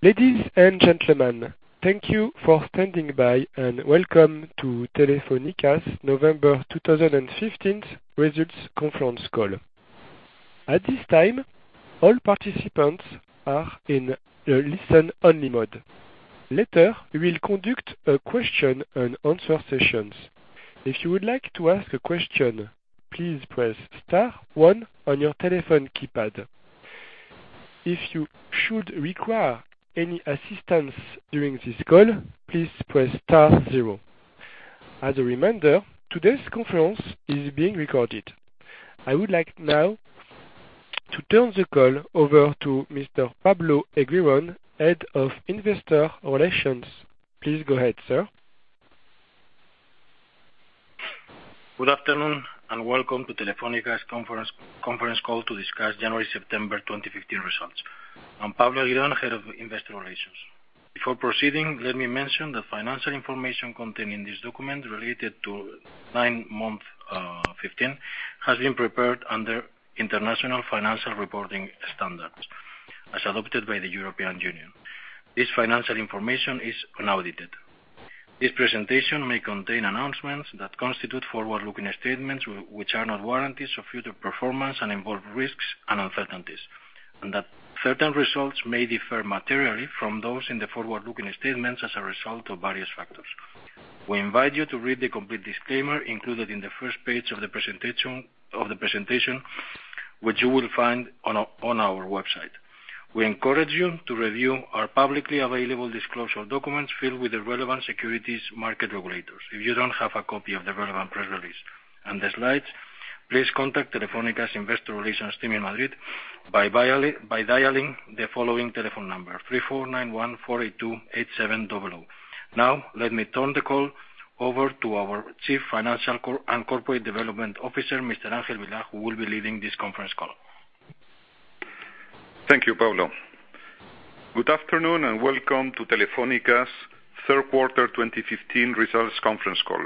Ladies and gentlemen, thank you for standing by, welcome to Telefónica's November 2015 results conference call. At this time, all participants are in a listen only mode. Later, we will conduct a question and answer session. If you would like to ask a question, please press star one on your telephone keypad. If you should require any assistance during this call, please press star zero. As a reminder, today's conference is being recorded. I would like now to turn the call over to Mr. Pablo Eguirón, Head of Investor Relations. Please go ahead, sir. Good afternoon, welcome to Telefónica's conference call to discuss January-September 2015 results. I'm Pablo Eguirón, Head of Investor Relations. Before proceeding, let me mention the financial information contained in this document related to nine months of 2015 has been prepared under International Financial Reporting Standards as adopted by the European Union. This financial information is unaudited. This presentation may contain announcements that constitute forward-looking statements which are not warranties of future performance and involve risks and uncertainties, and that certain results may differ materially from those in the forward-looking statements as a result of various factors. We invite you to read the complete disclaimer included in the first page of the presentation, which you will find on our website. We encourage you to review our publicly available disclosure documents filed with the relevant securities market regulators. If you don't have a copy of the relevant press release and the slides, please contact Telefónica's Investor Relations team in Madrid by dialing the following telephone number, 3491,482,870. Let me turn the call over to our Chief Financial and Corporate Development Officer, Mr. Ángel Vilá, who will be leading this conference call. Thank you, Pablo. Good afternoon, welcome to Telefónica's third quarter 2015 results conference call.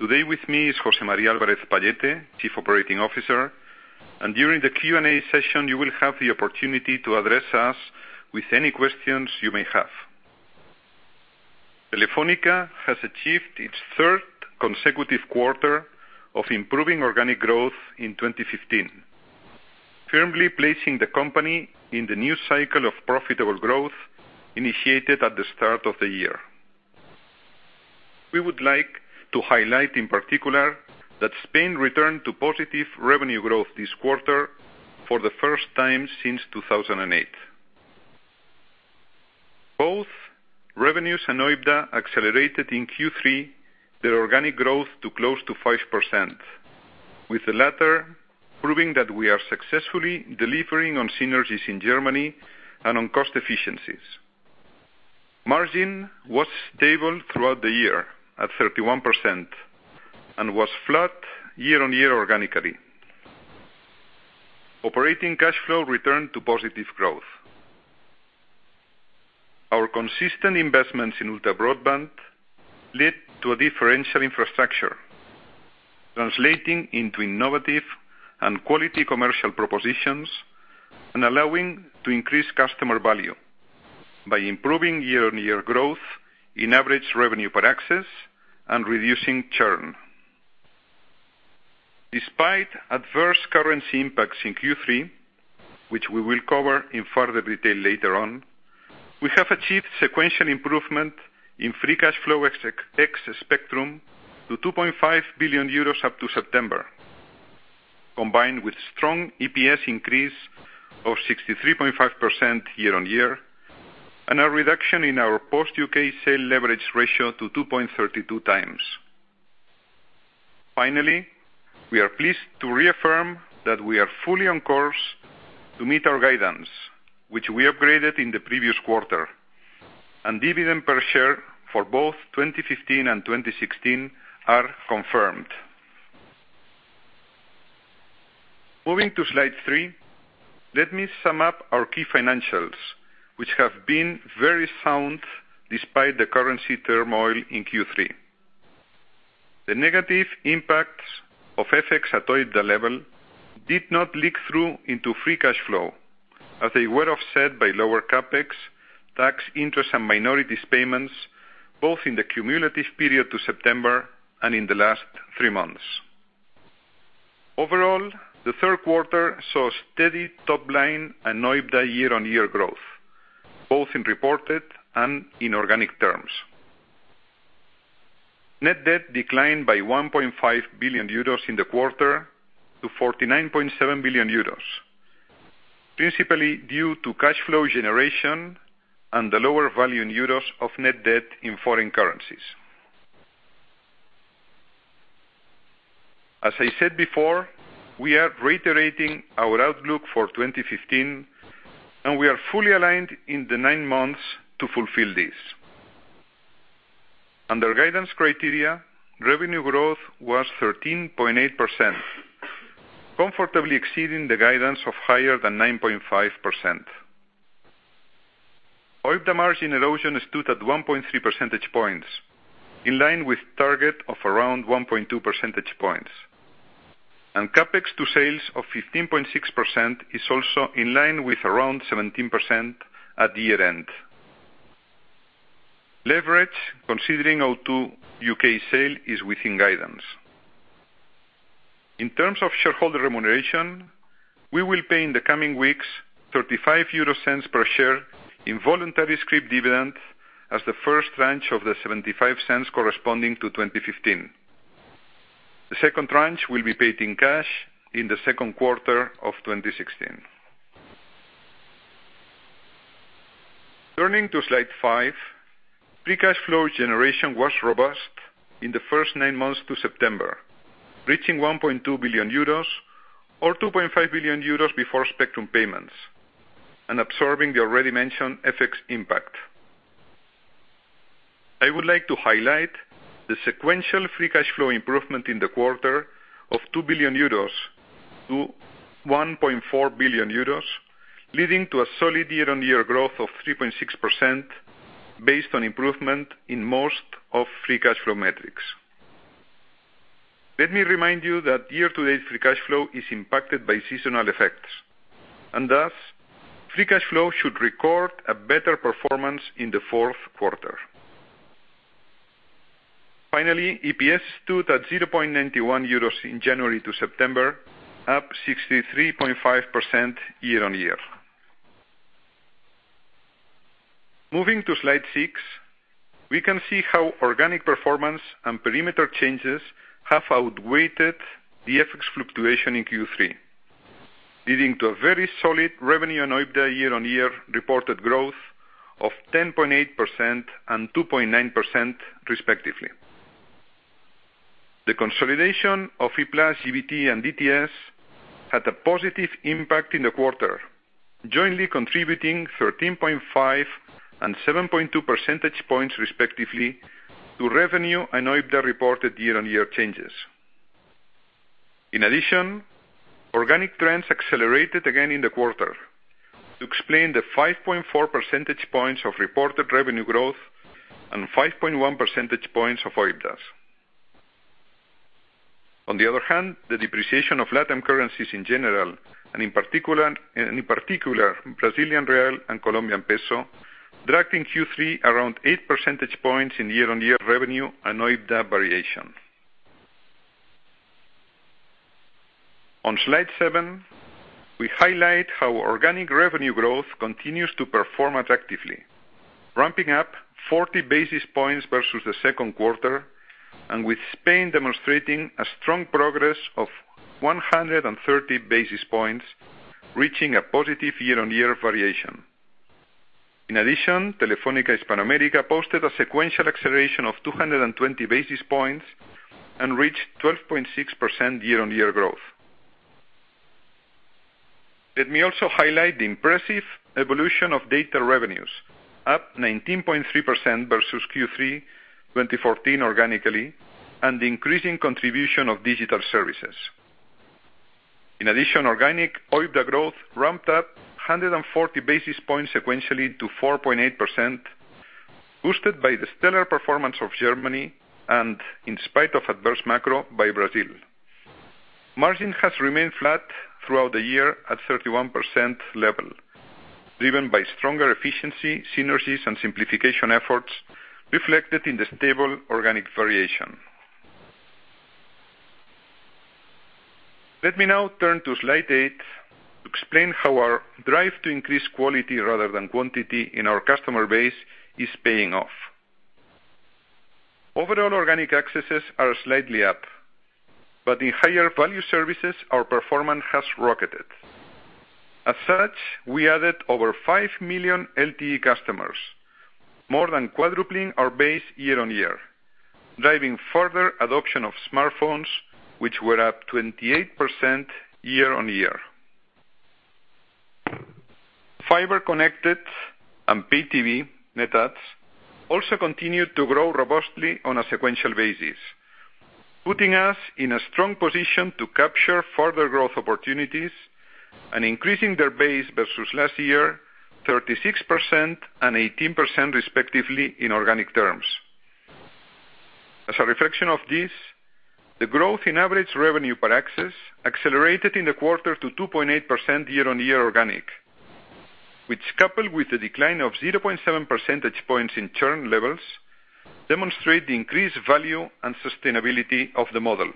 Today with me is José María Álvarez-Pallete, Chief Operating Officer, and during the Q&A session, you will have the opportunity to address us with any questions you may have. Telefónica has achieved its third consecutive quarter of improving organic growth in 2015, firmly placing the company in the new cycle of profitable growth initiated at the start of the year. We would like to highlight in particular that Spain returned to positive revenue growth this quarter for the first time since 2008. Both revenues and OIBDA accelerated in Q3, their organic growth to close to 5%, with the latter proving that we are successfully delivering on synergies in Germany and on cost efficiencies. Margin was stable throughout the year at 31% and was flat year-on-year organically. Operating cash flow returned to positive growth. Our consistent investments in ultra broadband led to a differential infrastructure, translating into innovative and quality commercial propositions and allowing to increase customer value by improving year-on-year growth in average revenue per access and reducing churn. Despite adverse currency impacts in Q3, which we will cover in further detail later on, we have achieved sequential improvement in free cash flow ex spectrum to 2.5 billion euros up to September, combined with strong EPS increase of 63.5% year-on-year, and a reduction in our post U.K. sale leverage ratio to 2.32 times. Finally, we are pleased to reaffirm that we are fully on course to meet our guidance, which we upgraded in the previous quarter, and dividend per share for both 2015 and 2016 are confirmed. Moving to slide three, let me sum up our key financials, which have been very sound despite the currency turmoil in Q3. The negative impacts of FX at OIBDA level did not leak through into free cash flow, as they were offset by lower CapEx, tax interest and minorities payments, both in the cumulative period to September and in the last three months. Overall, the third quarter saw steady top line and OIBDA year-on-year growth, both in reported and in organic terms. Net debt declined by 1.5 billion euros in the quarter to 49.7 billion euros, principally due to cash flow generation and the lower value in EUR of net debt in foreign currencies. As I said before, we are reiterating our outlook for 2015, and we are fully aligned in the nine months to fulfill this. Under guidance criteria, revenue growth was 13.8%, comfortably exceeding the guidance of higher than 9.5%. OIBDA margin erosion stood at 1.3 percentage points, in line with target of around 1.2 percentage points. CapEx to sales of 15.6% is also in line with around 17% at year-end. Leverage considering O2 U.K. sale is within guidance. In terms of shareholder remuneration, we will pay in the coming weeks 0.35 per share in voluntary scrip dividend as the first tranche of the 0.75 corresponding to 2015. The second tranche will be paid in cash in the second quarter of 2016. Turning to slide five, free cash flow generation was robust in the first nine months to September, reaching 1.2 billion euros or 2.5 billion euros before spectrum payments, and absorbing the already mentioned FX impact. I would like to highlight the sequential free cash flow improvement in the quarter of 2 billion euros to 1.4 billion euros, leading to a solid year-on-year growth of 3.6% based on improvement in most of free cash flow metrics. Let me remind you that year-to-date free cash flow is impacted by seasonal effects. Thus, free cash flow should record a better performance in the fourth quarter. Finally, EPS stood at 0.91 euros in January to September, up 63.5% year-on-year. Moving to slide six, we can see how organic performance and perimeter changes have outweighed the FX fluctuation in Q3, leading to a very solid revenue and OIBDA year-on-year reported growth of 10.8% and 2.9% respectively. The consolidation of E-Plus, GVT, and Digital+ had a positive impact in the quarter, jointly contributing 13.5 and 7.2 percentage points respectively to revenue and OIBDA reported year-on-year changes. In addition, organic trends accelerated again in the quarter to explain the 5.4 percentage points of reported revenue growth and 5.1 percentage points of OIBDAs. On the other hand, the depreciation of LatAm currencies in general and in particular Brazilian real and Colombian peso, dragged in Q3 around eight percentage points in year-on-year revenue and OIBDA variation. On slide seven, we highlight how organic revenue growth continues to perform attractively, ramping up 40 basis points versus the second quarter, and with Spain demonstrating a strong progress of 130 basis points, reaching a positive year-on-year variation. In addition, Telefónica Hispanoamérica posted a sequential acceleration of 220 basis points and reached 12.6% year-on-year growth. Let me also highlight the impressive evolution of data revenues, up 19.3% versus Q3 2014 organically, and the increasing contribution of digital services. In addition, organic OIBDA growth ramped up 140 basis points sequentially to 4.8%, boosted by the stellar performance of Germany and in spite of adverse macro by Brazil. Margin has remained flat throughout the year at 31% level, driven by stronger efficiency, synergies, and simplification efforts reflected in the stable organic variation. Let me now turn to slide eight to explain how our drive to increase quality rather than quantity in our customer base is paying off. Overall organic accesses are slightly up, but in higher value services, our performance has rocketed. As such, we added over 5 million LTE customers, more than quadrupling our base year-on-year, driving further adoption of smartphones, which were up 28% year-on-year. Fiber connected and PayTV net adds also continued to grow robustly on a sequential basis, putting us in a strong position to capture further growth opportunities and increasing their base versus last year 36% and 18% respectively in organic terms. As a reflection of this, the growth in average revenue per access accelerated in the quarter to 2.8% year-on-year organic, which coupled with the decline of 0.7 percentage points in churn levels, demonstrate the increased value and sustainability of the model.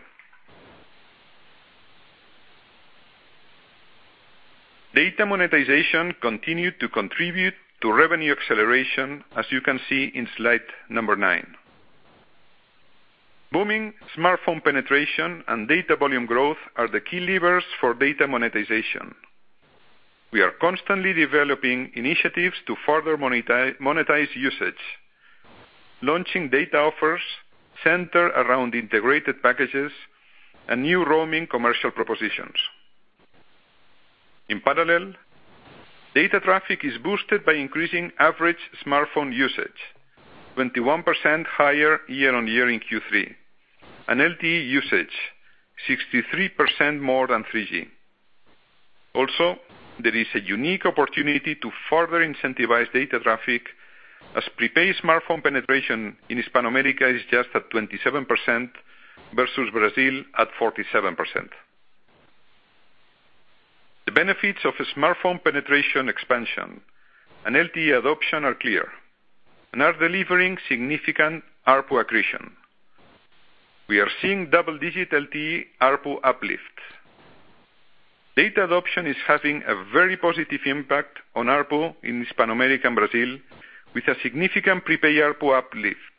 Data monetization continued to contribute to revenue acceleration, as you can see in slide number nine. Booming smartphone penetration and data volume growth are the key levers for data monetization. We are constantly developing initiatives to further monetize usage, launching data offers centered around integrated packages and new roaming commercial propositions. In parallel, data traffic is boosted by increasing average smartphone usage 21% higher year-on-year in Q3, and LTE usage 63% more than 3G. Also, there is a unique opportunity to further incentivize data traffic as prepaid smartphone penetration in Hispanoamérica is just at 27%, versus Brazil at 47%. The benefits of smartphone penetration expansion and LTE adoption are clear and are delivering significant ARPU accretion. We are seeing double-digit LTE ARPU uplift. Data adoption is having a very positive impact on ARPU in Hispanoamérica and Brazil, with a significant prepay ARPU uplift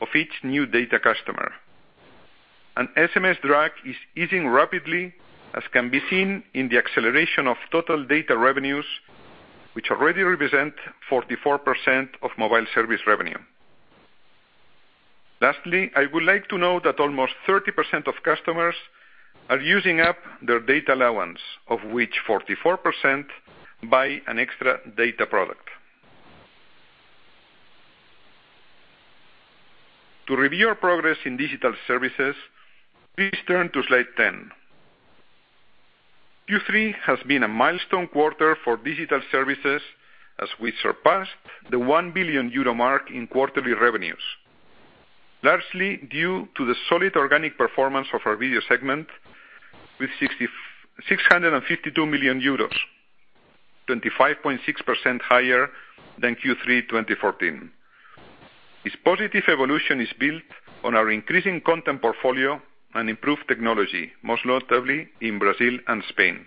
of each new data customer. SMS drag is easing rapidly, as can be seen in the acceleration of total data revenues, which already represent 44% of mobile service revenue. Lastly, I would like to note that almost 30% of customers are using up their data allowance, of which 44% buy an extra data product. To review our progress in digital services, please turn to slide 10. Q3 has been a milestone quarter for digital services as we surpassed the 1 billion euro mark in quarterly revenues, largely due to the solid organic performance of our video segment with 652 million euros, 25.6% higher than Q3 2014. This positive evolution is built on our increasing content portfolio and improved technology, most notably in Brazil and Spain.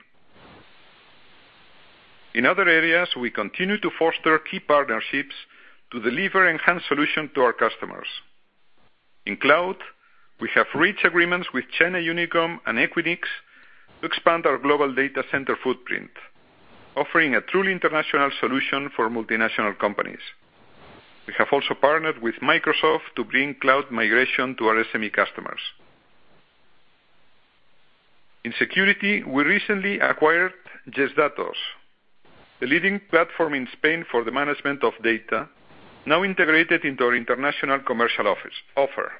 In other areas, we continue to foster key partnerships to deliver enhanced solution to our customers. In cloud, we have reached agreements with China Unicom and Equinix to expand our global data center footprint, offering a truly international solution for multinational companies. We have also partnered with Microsoft to bring cloud migration to our SME customers. In security, we recently acquired Gesdatos, the leading platform in Spain for the management of data, now integrated into our international commercial offer.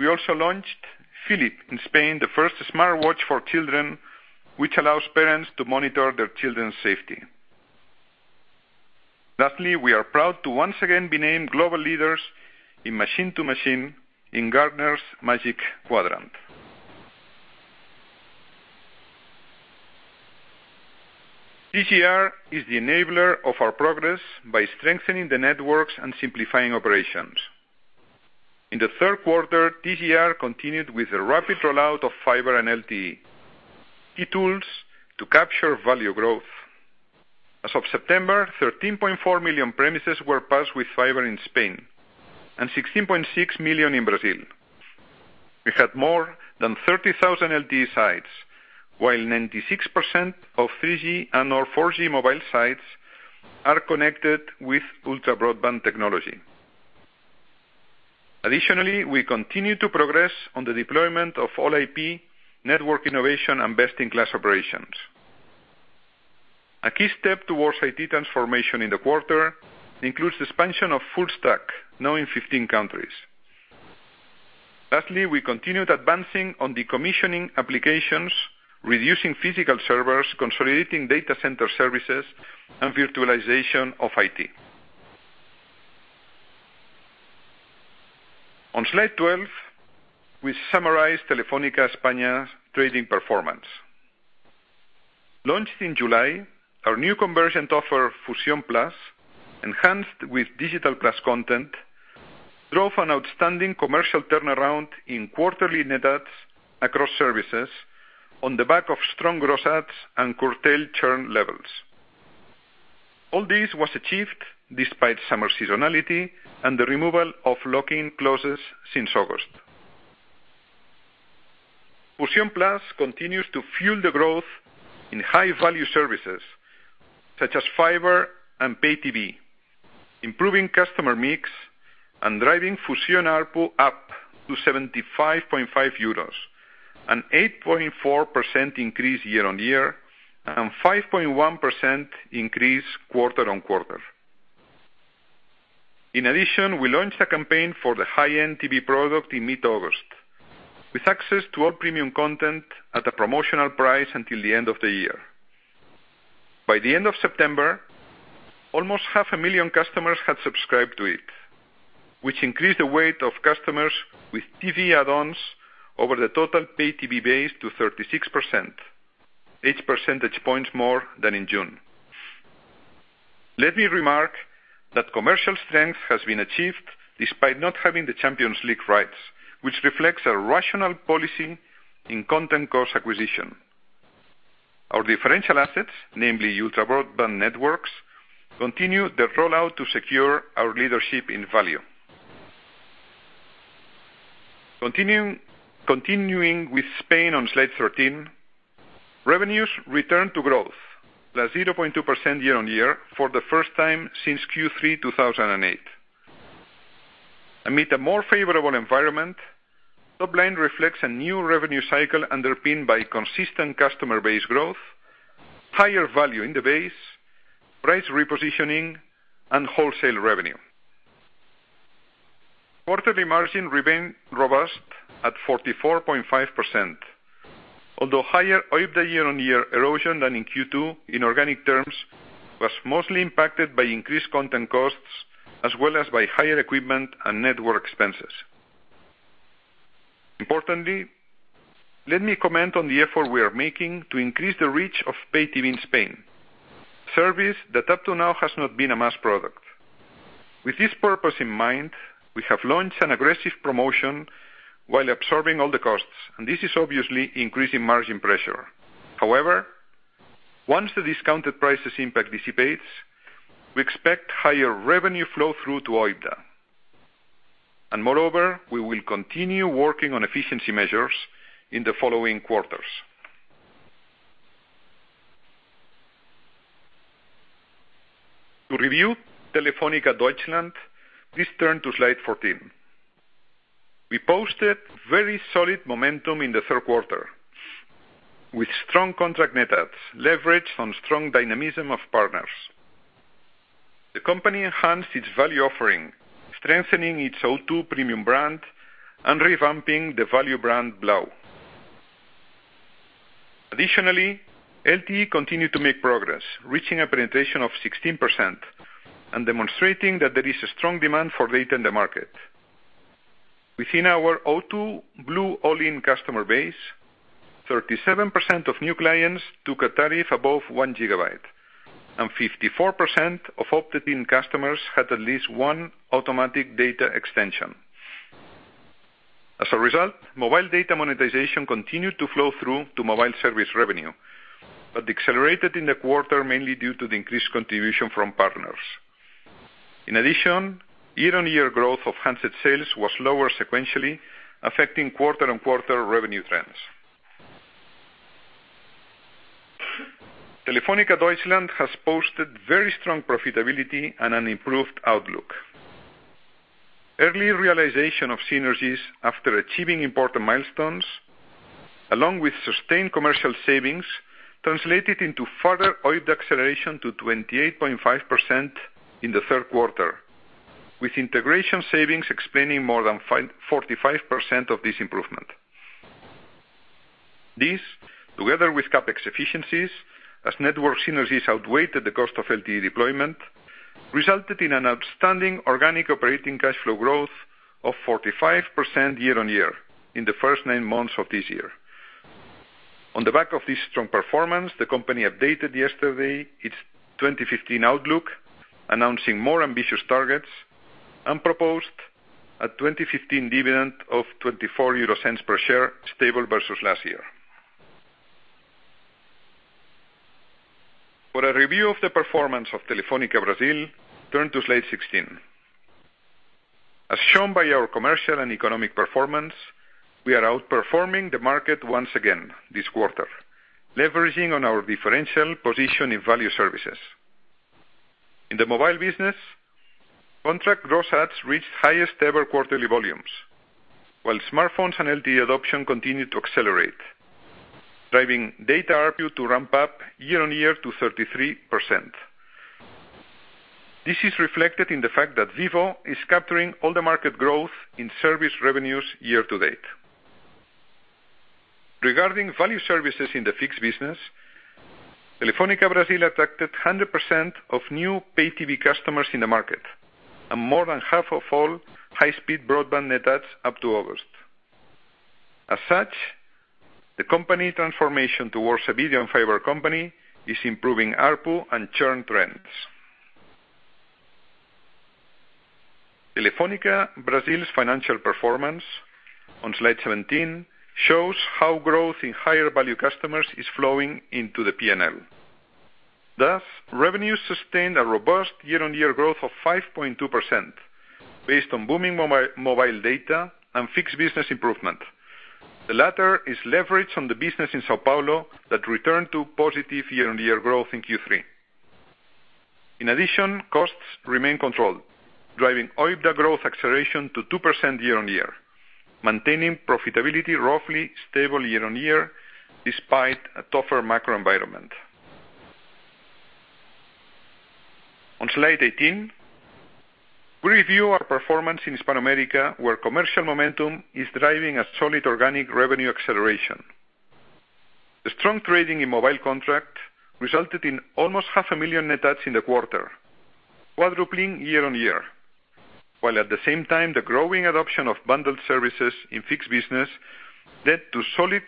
We also launched FiLIP in Spain, the first smartwatch for children, which allows parents to monitor their children's safety. Lastly, we are proud to once again be named global leaders in machine-to-machine in Gartner's Magic Quadrant. TGR is the enabler of our progress by strengthening the networks and simplifying operations. In the third quarter, TGR continued with the rapid rollout of fiber and LTE, key tools to capture value growth. As of September, 13.4 million premises were passed with fiber in Spain and 16.6 million in Brazil. We had more than 30,000 LTE sites, while 96% of 3G and/or 4G mobile sites are connected with ultra-broadband technology. Additionally, we continue to progress on the deployment of All-IP network innovation and best-in-class operations. A key step towards IT transformation in the quarter includes expansion of Full Stack, now in 15 countries. Lastly, we continued advancing on the commissioning applications, reducing physical servers, consolidating data center services, and virtualization of IT. On slide 12, we summarize Telefónica España's trading performance. Launched in July, our new convergent offer, Fusión+, enhanced with Digital+ content, drove an outstanding commercial turnaround in quarterly net adds across services on the back of strong gross adds and curtailed churn levels. All this was achieved despite summer seasonality and the removal of lock-in clauses since August. Fusión+ continues to fuel the growth in high-value services such as fiber and pay TV, improving customer mix and driving Fusión ARPU up to 75.5 euros, an 8.4% increase year-on-year and 5.1% increase quarter-on-quarter. In addition, we launched a campaign for the high-end TV product in mid-August, with access to all premium content at a promotional price until the end of the year. By the end of September, almost half a million customers had subscribed to it, which increased the weight of customers with TV add-ons over the total Pay TV base to 36%, 8 percentage points more than in June. Let me remark that commercial strength has been achieved despite not having the Champions League rights, which reflects a rational policy in content cost acquisition. Our differential assets, namely ultra-broadband networks, continue the rollout to secure our leadership in value. Continuing with Spain on slide 13, revenues return to growth, plus 0.2% year-on-year for the first time since Q3 2008. Amid a more favorable environment, top line reflects a new revenue cycle underpinned by consistent customer base growth, higher value in the base, price repositioning, and wholesale revenue. Quarterly margin remained robust at 44.5%. Although higher OIBDA year-on-year erosion than in Q2 in organic terms was mostly impacted by increased content costs as well as by higher equipment and network expenses. Importantly, let me comment on the effort we are making to increase the reach of Pay TV in Spain. Service that up to now has not been a mass product. With this purpose in mind, we have launched an aggressive promotion while absorbing all the costs, and this is obviously increasing margin pressure. However, once the discounted prices impact dissipates, we expect higher revenue flow through to OIBDA. Moreover, we will continue working on efficiency measures in the following quarters. To review Telefónica Deutschland, please turn to slide 14. We posted very solid momentum in the third quarter, with strong contract net adds leveraged on strong dynamism of partners. The company enhanced its value offering, strengthening its O2 premium brand and revamping the value brand Blau. Additionally, LTE continued to make progress, reaching a penetration of 16% and demonstrating that there is a strong demand for data in the market. Within our O2 Blue All-in customer base, 37% of new clients took a tariff above one gigabyte, and 54% of opted-in customers had at least one automatic data extension. As a result, mobile data monetization continued to flow through to mobile service revenue, but accelerated in the quarter, mainly due to the increased contribution from partners. In addition, year-on-year growth of handset sales was lower sequentially, affecting quarter-on-quarter revenue trends. Telefónica Deutschland has posted very strong profitability and an improved outlook. Early realization of synergies after achieving important milestones, along with sustained commercial savings, translated into further OIBDA acceleration to 28.5% in the third quarter, with integration savings explaining more than 45% of this improvement. This, together with CapEx efficiencies, as network synergies outweighed the cost of LTE deployment, resulted in an outstanding organic operating cash flow growth of 45% year-on-year in the first nine months of this year. On the back of this strong performance, the company updated yesterday its 2015 outlook, announcing more ambitious targets and proposed a 2015 dividend of 0.24 per share, stable versus last year. For a review of the performance of Telefónica Brasil, turn to slide 16. As shown by our commercial and economic performance, we are outperforming the market once again this quarter, leveraging on our differential position in value services. In the mobile business, contract gross adds reached highest ever quarterly volumes. While smartphones and LTE adoption continued to accelerate, driving data ARPU to ramp up year-on-year to 33%. This is reflected in the fact that Vivo is capturing all the market growth in service revenues year to date. Regarding value services in the fixed business, Telefónica Brasil attracted 100% of new Pay TV customers in the market, and more than half of all high-speed broadband net adds up to August. As such, the company transformation towards a video and fiber company is improving ARPU and churn trends. Telefónica Brasil's financial performance, on slide 17, shows how growth in higher value customers is flowing into the P&L. Thus, revenues sustained a robust year-on-year growth of 5.2%, based on booming mobile data and fixed business improvement. The latter is leveraged on the business in São Paulo that returned to positive year-on-year growth in Q3. In addition, costs remain controlled, driving OIBDA growth acceleration to 2% year-on-year, maintaining profitability roughly stable year-on-year despite a tougher macro environment. On slide 18, we review our performance in Hispanoamérica, where commercial momentum is driving a solid organic revenue acceleration. The strong trading in mobile contract resulted in almost half a million net adds in the quarter, quadrupling year-on-year. While at the same time, the growing adoption of bundled services in fixed business led to solid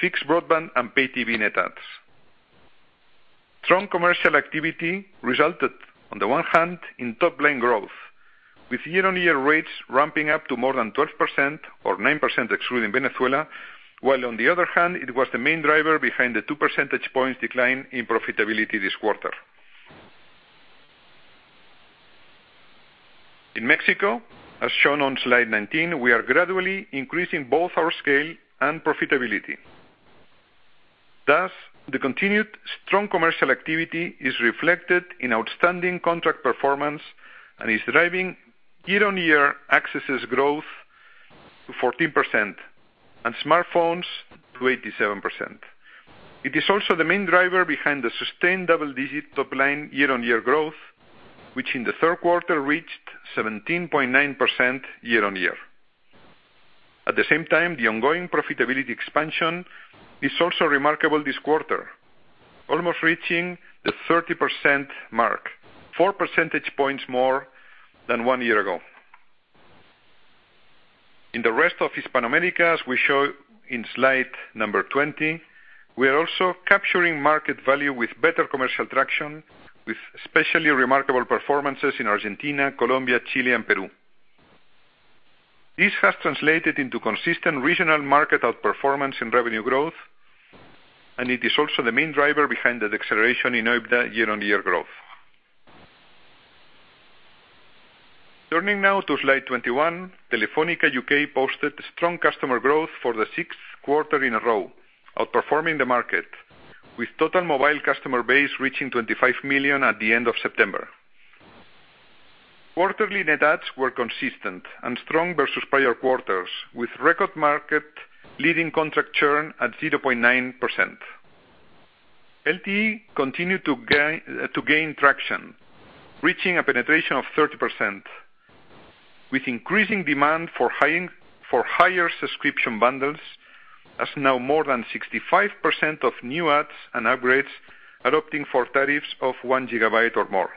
fixed broadband and Pay TV net adds. Strong commercial activity resulted, on the one hand, in top-line growth, with year-on-year rates ramping up to more than 12% or 9% excluding Venezuela. While on the other hand, it was the main driver behind the two percentage points decline in profitability this quarter. In Mexico, as shown on slide 19, we are gradually increasing both our scale and profitability. The continued strong commercial activity is reflected in outstanding contract performance and is driving year-on-year accesses growth to 14%, and smartphones to 87%. It is also the main driver behind the sustained double-digit top-line year-on-year growth, which in the third quarter reached 17.9% year-on-year. At the same time, the ongoing profitability expansion is also remarkable this quarter, almost reaching the 30% mark, four percentage points more than one year ago. In the rest of Hispanoamérica, as we show in slide number 20, we are also capturing market value with better commercial traction, with especially remarkable performances in Argentina, Colombia, Chile, and Peru. This has translated into consistent regional market outperformance in revenue growth. It is also the main driver behind the acceleration in OIBDA year-on-year growth. Turning now to slide 21, Telefónica UK posted strong customer growth for the sixth quarter in a row, outperforming the market, with total mobile customer base reaching 25 million at the end of September. Quarterly net adds were consistent and strong versus prior quarters, with record market leading contract churn at 0.9%. LTE continued to gain traction, reaching a penetration of 30%, with increasing demand for higher subscription bundles, as now more than 65% of new adds and upgrades adopting for tariffs of one gigabyte or more.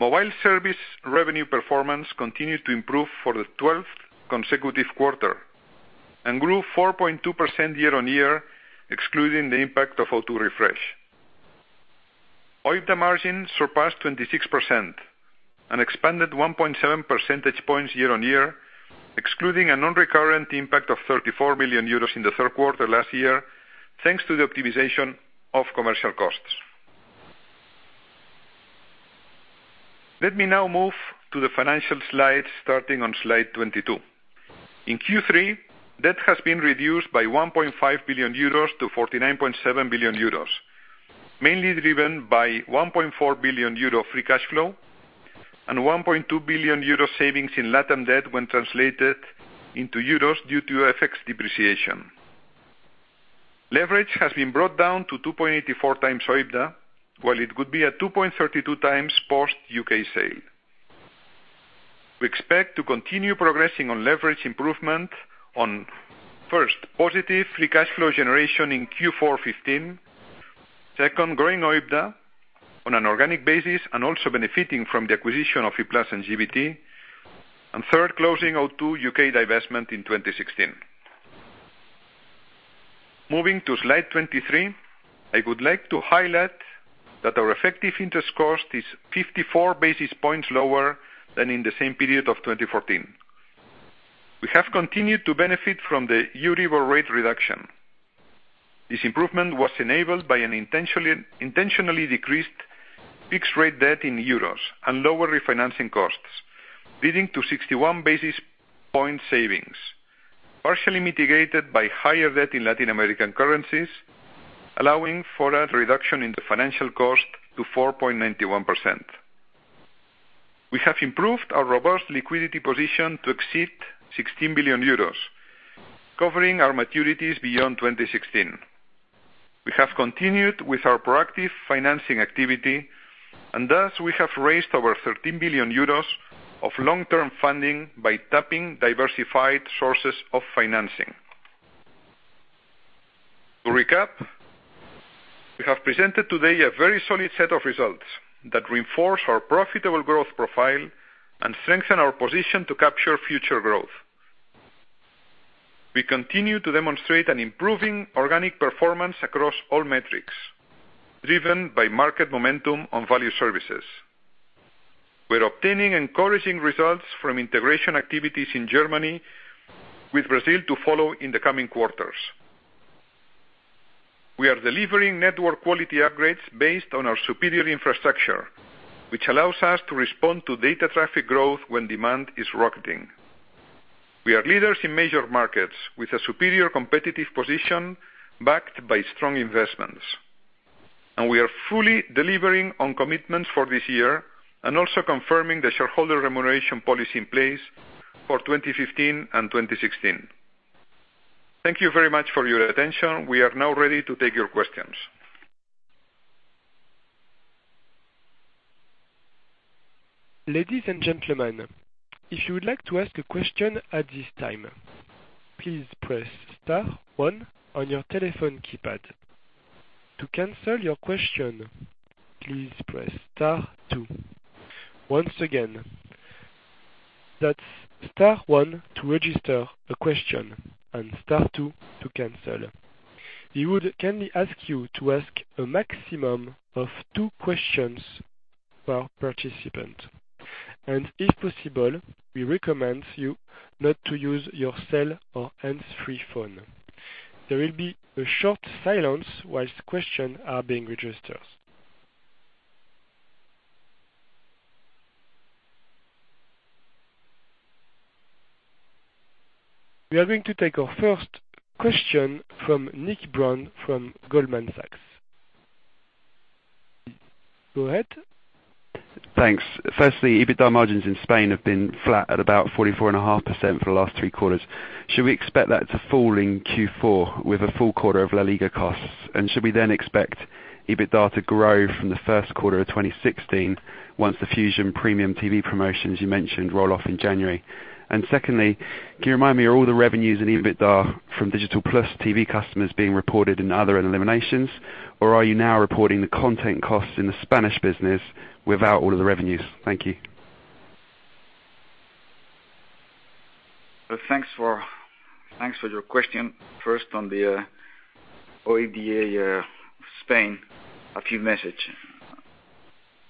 Mobile service revenue performance continued to improve for the 12th consecutive quarter and grew 4.2% year-on-year, excluding the impact of O2 Refresh. OIBDA margin surpassed 26% and expanded 1.7% year-on-year, excluding a non-recurrent impact of 34 million euros in the third quarter last year, thanks to the optimization of commercial costs. Let me now move to the financial slides starting on slide 22. In Q3, debt has been reduced by 1.5 billion euros to 49.7 billion euros, mainly driven by 1.4 billion euro free cash flow and 1.2 billion euro savings in LatAm debt when translated into euros due to FX depreciation. Leverage has been brought down to 2.84 times OIBDA, while it would be at 2.32 times post U.K. sale. We expect to continue progressing on leverage improvement on, first, positive free cash flow generation in Q4 2015. Second, growing OIBDA on an organic basis and also benefiting from the acquisition of E-Plus and GVT. Third, closing O2 UK divestment in 2016. Moving to slide 23. I would like to highlight that our effective interest cost is 54 basis points lower than in the same period of 2014. We have continued to benefit from the EURIBOR rate reduction. This improvement was enabled by an intentionally decreased fixed-rate debt in EUR and lower refinancing costs, leading to 61 basis point savings, partially mitigated by higher debt in Latin American currencies, allowing for a reduction in the financial cost to 4.91%. We have improved our robust liquidity position to exceed 16 billion euros, covering our maturities beyond 2016. We have continued with our proactive financing activity, and thus, we have raised over 13 billion euros of long-term funding by tapping diversified sources of financing. To recap, we have presented today a very solid set of results that reinforce our profitable growth profile and strengthen our position to capture future growth. We continue to demonstrate an improving organic performance across all metrics, driven by market momentum on value services. We're obtaining encouraging results from integration activities in Germany, with Brazil to follow in the coming quarters. We are delivering network quality upgrades based on our superior infrastructure, which allows us to respond to data traffic growth when demand is rocketing. We are leaders in major markets with a superior competitive position backed by strong investments. We are fully delivering on commitments for this year and also confirming the shareholder remuneration policy in place for 2015 and 2016. Thank you very much for your attention. We are now ready to take your questions. Ladies and gentlemen, if you would like to ask a question at this time, please press star one on your telephone keypad. To cancel your question, please press star two. Once again, that's star one to register a question and star two to cancel. We would kindly ask you to ask a maximum of two questions per participant. If possible, we recommend you not to use your cell or hands-free phone. There will be a short silence whilst questions are being registered. We are going to take our first question from Nick Brown from Goldman Sachs. Go ahead. Thanks. Firstly, EBITDA margins in Spain have been flat at about 44.5% for the last three quarters. Should we expect that to fall in Q4 with a full quarter of La Liga costs? Should we then expect EBITDA to grow from the first quarter of 2016 once the Fusión premium TV promotions you mentioned roll off in January? Secondly, can you remind me, are all the revenues and EBITDA from Digital+ TV customers being reported in other eliminations, or are you now reporting the content costs in the Spanish business without all of the revenues? Thank you. Thanks for your question. First, on the OIBDA Spain, a few message.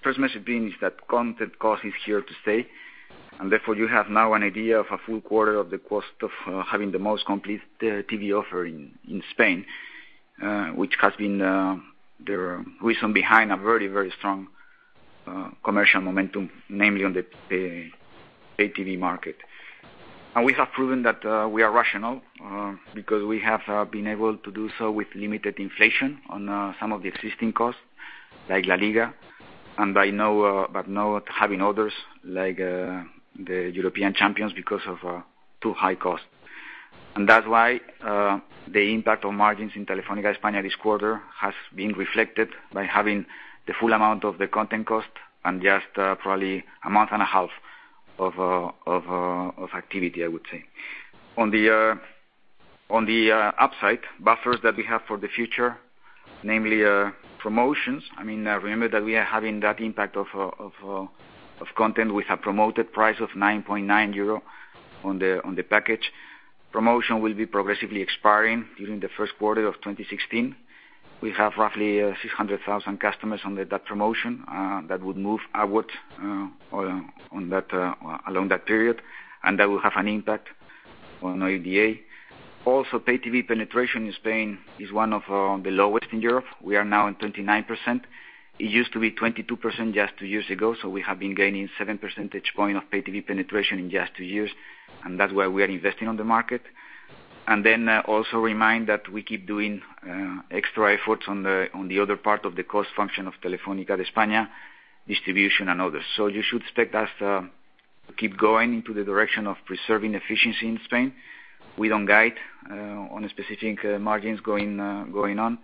First message being is that content cost is here to stay, and therefore you have now an idea of a full quarter of the cost of having the most complete TV offering in Spain, which has been the reason behind a very strong commercial momentum, namely on the pay TV market. We have proven that we are rational, because we have been able to do so with limited inflation on some of the existing costs, like La Liga. Not having others, like the European champions, because of too high cost. That's why the impact on margins in Telefónica España this quarter has been reflected by having the full amount of the content cost in just probably a month and a half of activity, I would say. On the upside, buffers that we have for the future, namely promotions. Remember that we are having that impact of content with a promoted price of 9.90 euro on the package. Promotion will be progressively expiring during the first quarter of 2016. We have roughly 600,000 customers under that promotion that would move outward along that period, and that will have an impact on OIBDA. Pay TV penetration in Spain is one of the lowest in Europe. We are now on 29%. It used to be 22% just two years ago, so we have been gaining seven percentage point of pay TV penetration in just two years, and that's why we are investing on the market. Then also remind that we keep doing extra efforts on the other part of the cost function of Telefónica de España, distribution and others. You should expect us to keep going into the direction of preserving efficiency in Spain. We don't guide on specific margins going on.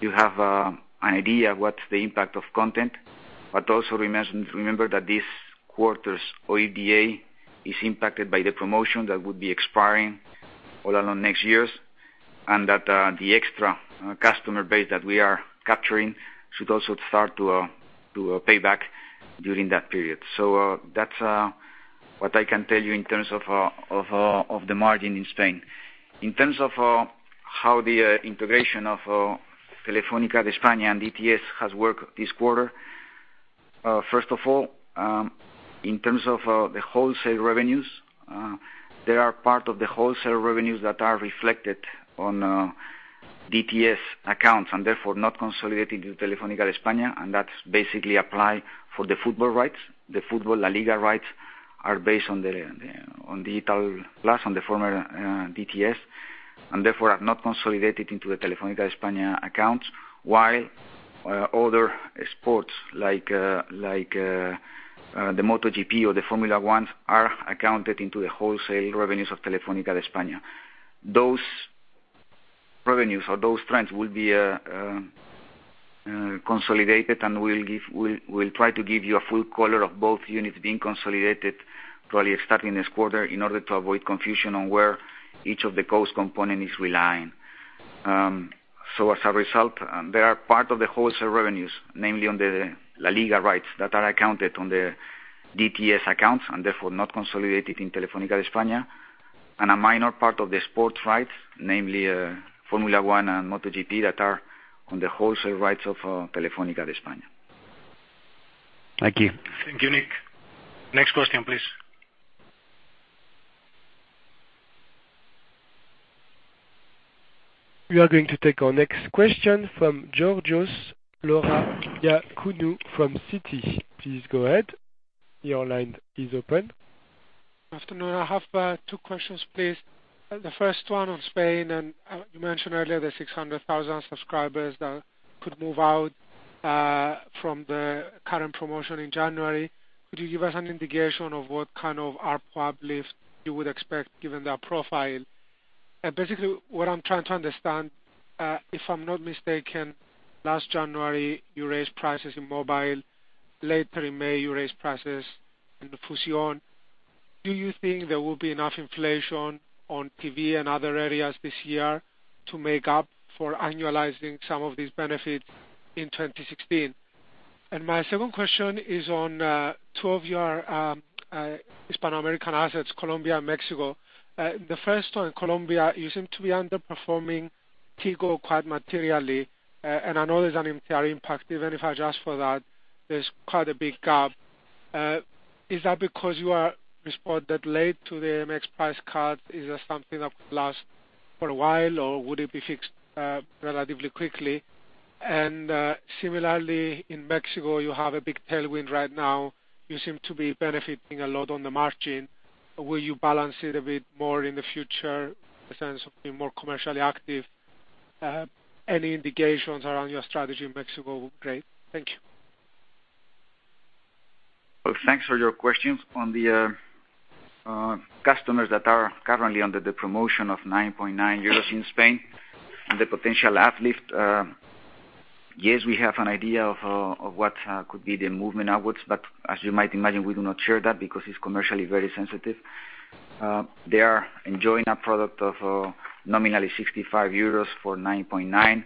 You have an idea of what's the impact of content, but also remember that this quarter's OIBDA is impacted by the promotion that would be expiring all along next years. The extra customer base that we are capturing should also start to pay back during that period. That's what I can tell you in terms of the margin in Spain. In terms of how the integration of Telefónica de España and DTS has worked this quarter. First of all, in terms of the wholesale revenues, there are part of the wholesale revenues that are reflected on DTS accounts and therefore not consolidated into Telefónica de España, and that's basically apply for the football rights. The football La Liga rights are based on Digital+, on the former DTS, and therefore are not consolidated into the Telefónica de España accounts, while other sports like the MotoGP or the Formula 1 are accounted into the wholesale revenues of Telefónica de España. Those revenues or those trends will be consolidated and we will try to give you a full color of both units being consolidated, probably starting this quarter in order to avoid confusion on where each of the cost component is relying. As a result, they are part of the wholesale revenues, namely on the La Liga rights that are accounted on the DTS accounts, and therefore not consolidated in Telefónica de España. A minor part of the sports rights, namely Formula 1 and MotoGP, that are on the wholesale rights of Telefónica de España. Thank you. Thank you, Nick. Next question, please. We are going to take our next question from Georgios Ierodiakonou from Citi. Please go ahead. Your line is open. Afternoon. I have two questions, please. The first one on Spain. You mentioned earlier the 600,000 subscribers that could move out from the current promotion in January. Could you give us an indication of what kind of ARPU uplift you would expect given their profile? Basically, what I'm trying to understand, if I'm not mistaken, last January, you raised prices in mobile. Later in May, you raised prices in the Fusión. Do you think there will be enough inflation on PV and other areas this year to make up for annualizing some of these benefits in 2016? My second question is on two of your Hispano-American assets, Colombia and Mexico. The first one, Colombia, you seem to be underperforming Tigo quite materially. I know there's an M&A impact. Even if I adjust for that, there's quite a big gap. Is that because you responded late to the Mexico price cut? Is that something that could last for a while, or would it be fixed relatively quickly? Similarly, in Mexico, you have a big tailwind right now. You seem to be benefiting a lot on the margin. Will you balance it a bit more in the future in the sense of being more commercially active? Any indications around your strategy in Mexico would be great. Thank you. Well, thanks for your questions. On the customers that are currently under the promotion of 9.9 euros in Spain and the potential uplift, yes, we have an idea of what could be the movement outwards. As you might imagine, we do not share that because it's commercially very sensitive. They are enjoying a product of nominally 65 euros for 9.9.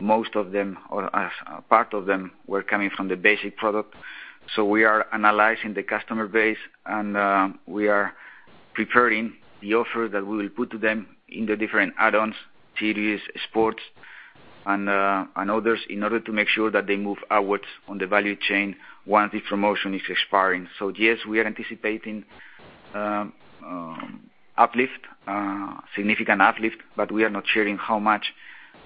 Most of them, or as a part of them, were coming from the basic product. We are analyzing the customer base, and we are preparing the offer that we will put to them in the different add-ons, TVs, sports, and others in order to make sure that they move upwards on the value chain once the promotion is expiring. Yes, we are anticipating significant uplift, but we are not sharing how much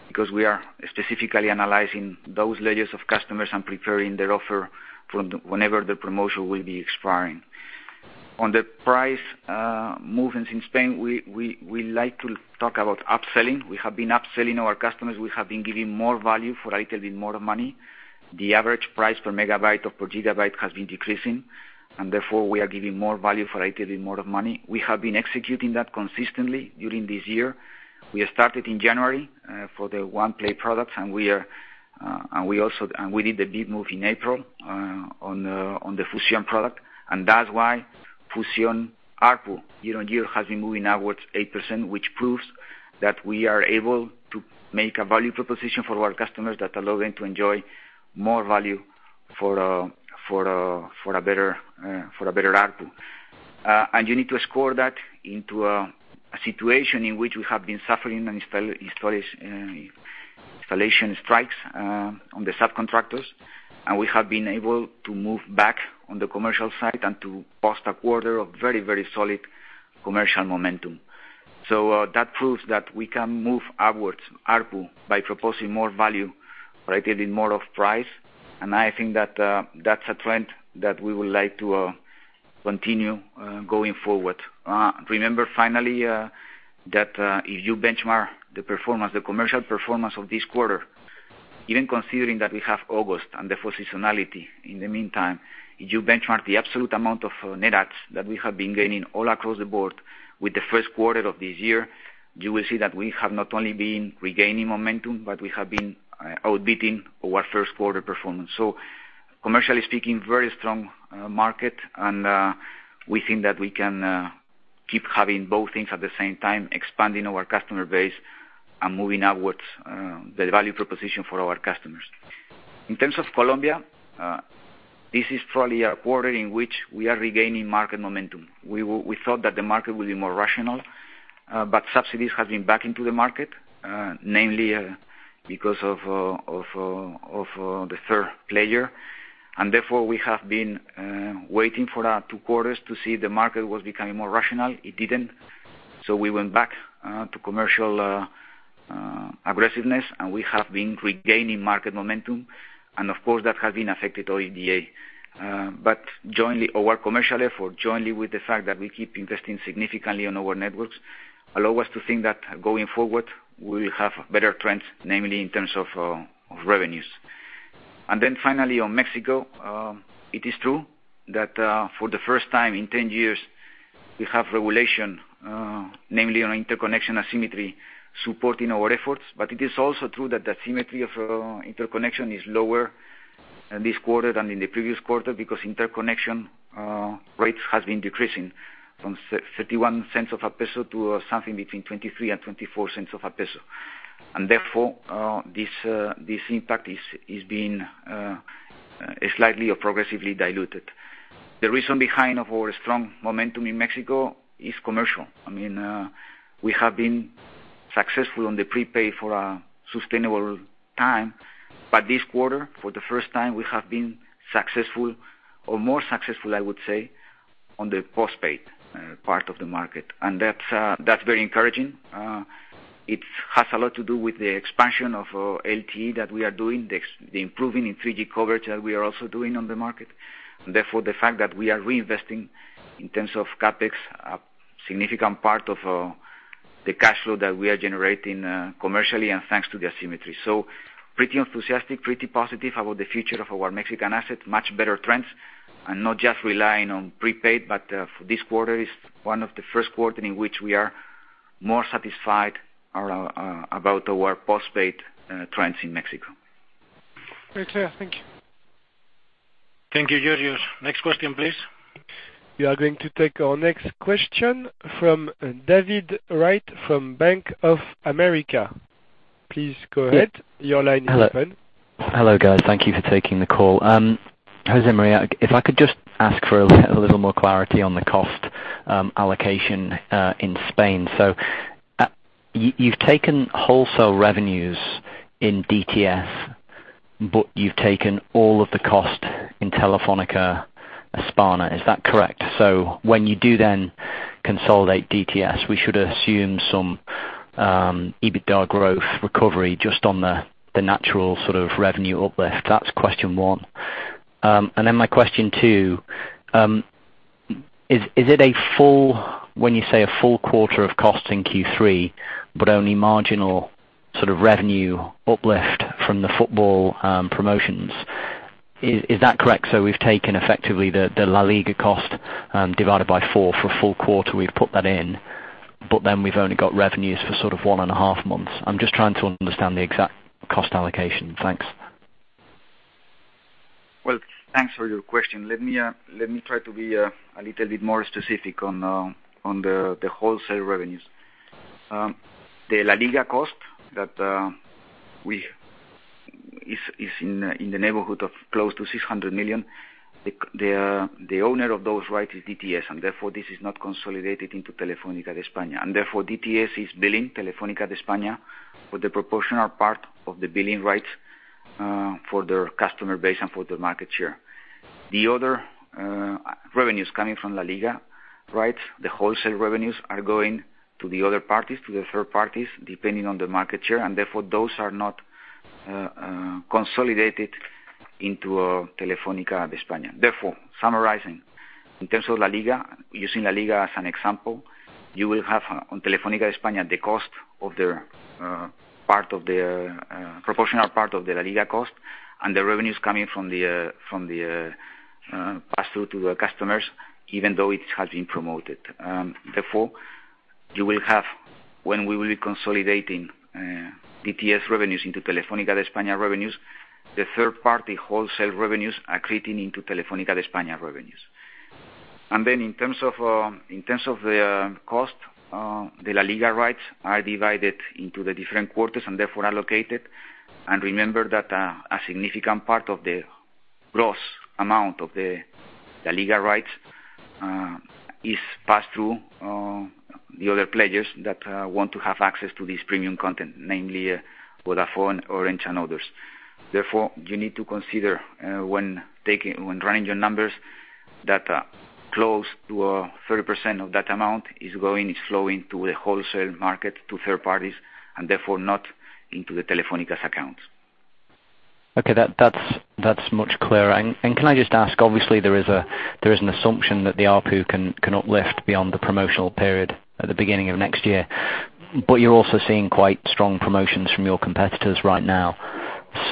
because we are specifically analyzing those layers of customers and preparing their offer for whenever the promotion will be expiring. On the price movements in Spain, we like to talk about upselling. We have been upselling our customers. We have been giving more value for a little bit more money. The average price per megabyte or per gigabyte has been decreasing, and therefore we are giving more value for a little bit more money. We have been executing that consistently during this year. We have started in January for the One Play product, and we did the big move in April on the Fusión product. That's why Fusión ARPU year-on-year has been moving upwards 8%, which proves that we are able to make a value proposition for our customers that allow them to enjoy more value for a better ARPU. You need to score that into a situation in which we have been suffering installation strikes on the subcontractors, and we have been able to move back on the commercial side and to post a quarter of very solid commercial momentum. That proves that we can move upwards ARPU by proposing more value related in more of price. I think that's a trend that we would like to continue going forward. Remember, finally, that if you benchmark the commercial performance of this quarter, even considering that we have August and the seasonality in the meantime, if you benchmark the absolute amount of net adds that we have been gaining all across the board with the first quarter of this year, you will see that we have not only been regaining momentum, but we have been outbidding our first quarter performance. Commercially speaking, very strong market, and we think that we can keep having both things at the same time, expanding our customer base and moving upwards the value proposition for our customers. In terms of Colombia, this is probably a quarter in which we are regaining market momentum. We thought that the market will be more rational. Subsidies have been back into the market, namely because of the third player, and therefore we have been waiting for two quarters to see the market was becoming more rational. It didn't. We went back to commercial aggressiveness, and we have been regaining market momentum, and of course, that has been affected OIBDA. Our commercial effort, jointly with the fact that we keep investing significantly on our networks, allow us to think that going forward, we will have better trends, namely in terms of revenues. Finally, on Mexico, it is true that for the first time in 10 years, we have regulation, namely on interconnection asymmetry, supporting our efforts. It is also true that the symmetry of interconnection is lower this quarter than in the previous quarter because interconnection rates have been decreasing from 0.31 to something between 0.23 and 0.24. Therefore, this impact is being slightly or progressively diluted. The reason behind our strong momentum in Mexico is commercial. We have been successful on the prepaid for a sustainable time. This quarter, for the first time, we have been successful or more successful, I would say, on the postpaid part of the market. That's very encouraging. It has a lot to do with the expansion of LTE that we are doing, the improving in 3G coverage that we are also doing on the market, and therefore the fact that we are reinvesting in terms of CapEx, a significant part of the cash flow that we are generating commercially and thanks to the asymmetry. Pretty enthusiastic, pretty positive about the future of our Mexican assets, much better trends, and not just relying on prepaid, but this quarter is one of the first quarters in which we are more satisfied about our postpaid trends in Mexico. Very clear. Thank you. Thank you, Georgios. Next question, please. We are going to take our next question from David Wright from Bank of America. Please go ahead. Your line is open. Hello, guys. Thank you for taking the call. José María, if I could just ask for a little more clarity on the cost allocation in Spain. You've taken wholesale revenues in DTS, but you've taken all of the cost in Telefónica España. Is that correct? When you do then consolidate DTS, we should assume some EBITDA growth recovery just on the natural sort of revenue uplift. That's question one. My question two, is it a full, when you say a full quarter of cost in Q3, but only marginal revenue uplift from the football promotions, is that correct? We've taken effectively the La Liga cost divided by four for a full quarter. We've put that in, but then we've only got revenues for one and a half months. I'm just trying to understand the exact cost allocation. Thanks. Well, thanks for your question. Let me try to be a little bit more specific on the wholesale revenues. The La Liga cost is in the neighborhood of close to 600 million. The owner of those rights is DTS, and therefore this is not consolidated into Telefónica de España. DTS is billing Telefónica de España for the proportional part of the billing rights for their customer base and for the market share. The other revenues coming from La Liga rights, the wholesale revenues are going to the other parties, to the third parties, depending on the market share, and therefore, those are not consolidated into Telefónica de España. Summarizing, in terms of La Liga, using La Liga as an example, you will have on Telefónica de España, the proportional part of the La Liga cost, and the revenues coming from the pass-through to the customers, even though it has been promoted. You will have, when we will be consolidating DTS revenues into Telefónica de España revenues, the third party wholesale revenues accreting into Telefónica de España revenues. In terms of the cost, the La Liga rights are divided into the different quarters and therefore allocated. Remember that a significant part of the gross amount of the La Liga rights is passed through the other pledges that want to have access to this premium content, namely Vodafone, Orange and others. You need to consider when running your numbers, that close to 30% of that amount is flowing to the wholesale market, to third parties, and therefore not into the Telefónica accounts. Okay. That's much clearer. Can I just ask, obviously there is an assumption that the ARPU can uplift beyond the promotional period at the beginning of next year. You're also seeing quite strong promotions from your competitors right now.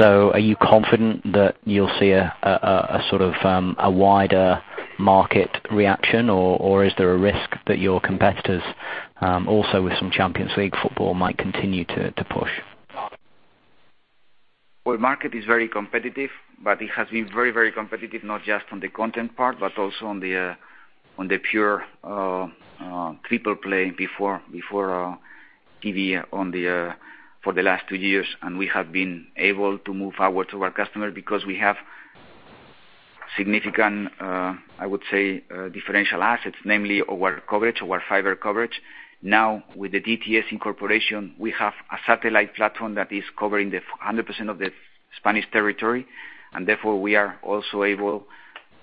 Are you confident that you'll see a wider market reaction, or is there a risk that your competitors, also with some Champions League football, might continue to push? Well, the market is very competitive, but it has been very competitive, not just on the content part, but also on the pure triple play before TV for the last two years. We have been able to move forward to our customer because we have significant, I would say, differential assets, namely our coverage, our fiber coverage. Now with the DTS incorporation, we have a satellite platform that is covering the 100% of the Spanish territory, therefore, we are also able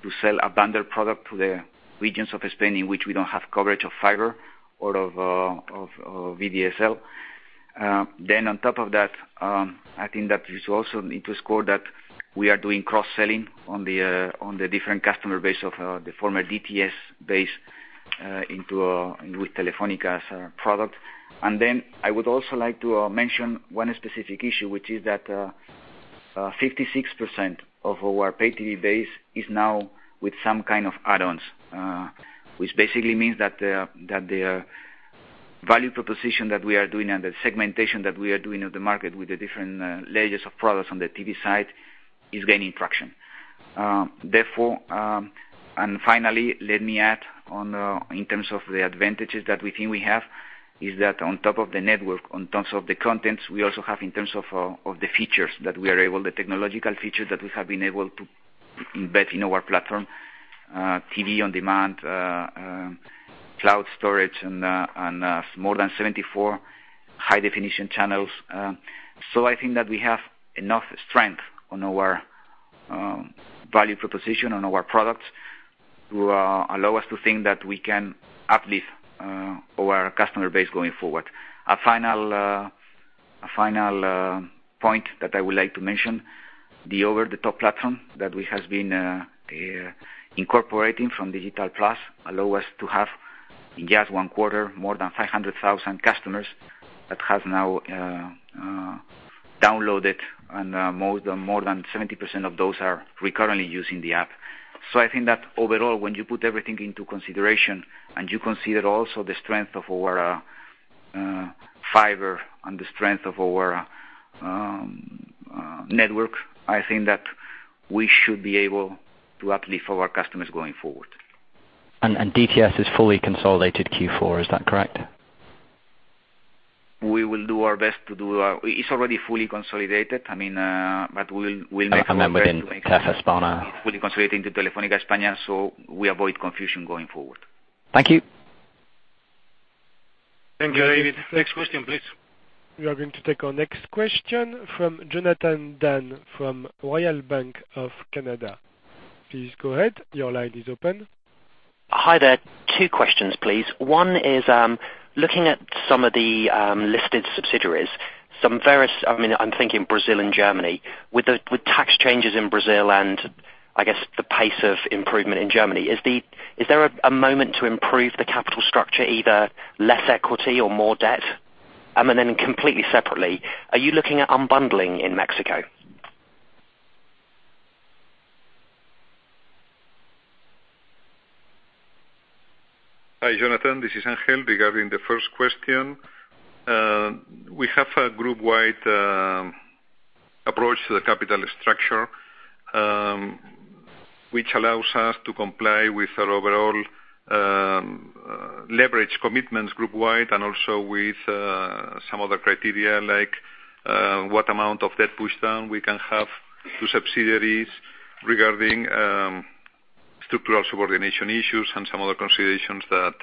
to sell a bundled product to the regions of Spain in which we don't have coverage of fiber or of VDSL. On top of that, I think that you also need to score that we are doing cross-selling on the different customer base of the former DTS base with Telefónica's product. I would also like to mention one specific issue, which is that 56% of our pay TV base is now with some kind of add-ons, which basically means that the value proposition that we are doing and the segmentation that we are doing of the market with the different layers of products on the TV side is gaining traction. Therefore, finally, let me add in terms of the advantages that we think we have, is that on top of the network, in terms of the contents, we also have in terms of the features that we are able, the technological features that we have been able to embed in our platform, TV on demand, cloud storage, and more than 74 high definition channels. I think that we have enough strength on our value proposition on our products to allow us to think that we can uplift our customer base going forward. A final point that I would like to mention, the over-the-top platform that we have been incorporating from Digital+ allow us to have in just one quarter more than 500,000 customers that have now downloaded. More than 70% of those are currently using the app. I think that overall, when you put everything into consideration and you consider also the strength of our fiber and the strength of our network, I think that we should be able to uplift our customers going forward. DTS is fully consolidated Q4, is that correct? It's already fully consolidated. Within Telefónica España. It's fully consolidated into Telefónica España, we avoid confusion going forward. Thank you. Thank you, David. Next question, please. We are going to take our next question from Jonathan Dann from Royal Bank of Canada. Please go ahead. Your line is open. Hi there. Two questions, please. One is looking at some of the listed subsidiaries, some various, I'm thinking Brazil and Germany. With tax changes in Brazil and, I guess, the pace of improvement in Germany, is there a moment to improve the capital structure, either less equity or more debt? Completely separately, are you looking at unbundling in Mexico? Hi, Jonathan. This is Ángel. Regarding the first question, we have a group-wide approach to the capital structure, which allows us to comply with our overall leverage commitments group-wide and also with some other criteria like what amount of debt pushdown we can have to subsidiaries regarding structural subordination issues and some other considerations that,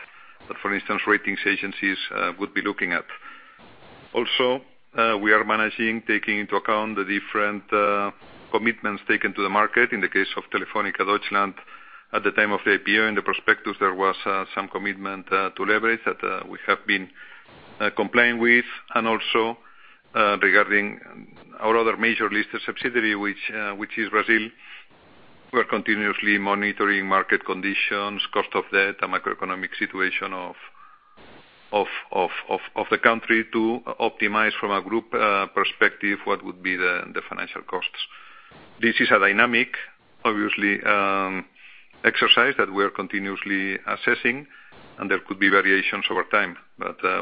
for instance, ratings agencies would be looking at. Also, we are managing, taking into account the different commitments taken to the market. In the case of Telefónica Deutschland, at the time of the IPO, in the prospectus, there was some commitment to leverage that we have been complying with. Regarding our other major listed subsidiary, which is Telefónica Brasil, we are continuously monitoring market conditions, cost of debt, the macroeconomic situation of the country to optimize from a group perspective what would be the financial costs. This is a dynamic, obviously, exercise that we are continuously assessing, and there could be variations over time.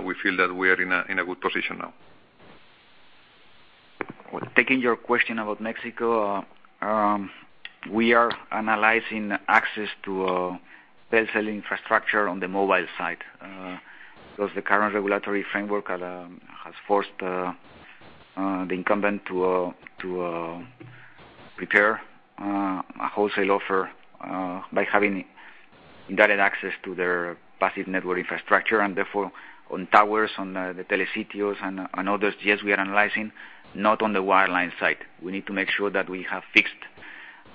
We feel that we are in a good position now. Taking your question about Mexico, we are analyzing access to a wholesale infrastructure on the mobile side. The current regulatory framework has forced the incumbent to prepare a wholesale offer by having direct access to their passive network infrastructure, and therefore on towers, on the telecom sites, and others. Yes, we are analyzing, not on the wireline side. We need to make sure that we have fixed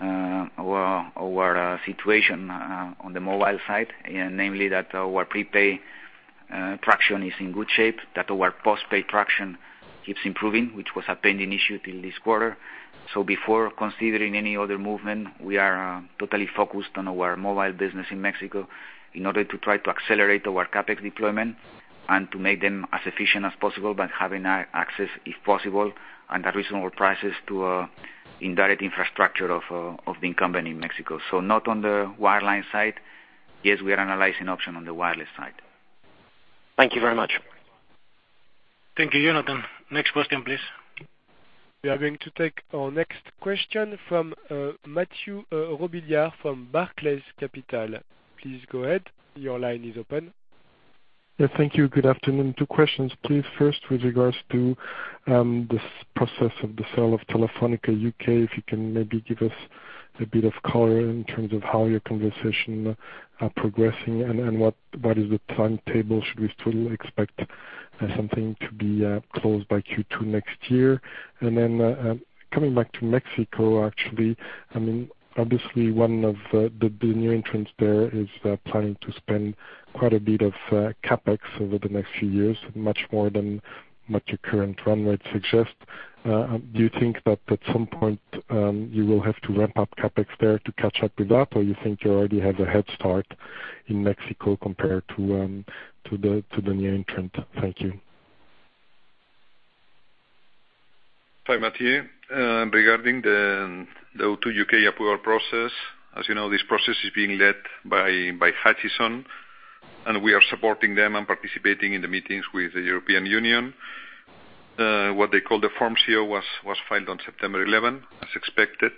our situation on the mobile side, namely that our prepay traction is in good shape, that our postpaid traction keeps improving, which was a pending issue till this quarter. Before considering any other movement, we are totally focused on our mobile business in Mexico in order to try to accelerate our CapEx deployment and to make them as efficient as possible by having access, if possible, and at reasonable prices to indirect infrastructure of the incumbent in Mexico. Not on the wireline side. Yes, we are analyzing options on the wireless side. Thank you very much. Thank you, Jonathan. Next question, please. We are going to take our next question from Mathieu Robilliard from Barclays Capital. Please go ahead. Your line is open. Thank you. Good afternoon. Two questions, please. First, with regards to this process of the sale of Telefónica UK, if you can maybe give us a bit of color in terms of how your conversation are progressing and what is the timetable? Should we still expect something to be closed by Q2 next year? Coming back to Mexico, actually, obviously one of the new entrants there is planning to spend quite a bit of CapEx over the next few years, much more than what your current run rate suggests. Do you think that at some point, you will have to ramp up CapEx there to catch up with that? You think you already have a head start in Mexico compared to the new entrant? Thank you. Hi, Mathieu. Regarding the O2 UK approval process, as you know, this process is being led by Hutchison, we are supporting them and participating in the meetings with the European Union. What they call the Form C was filed on September 11th, as expected.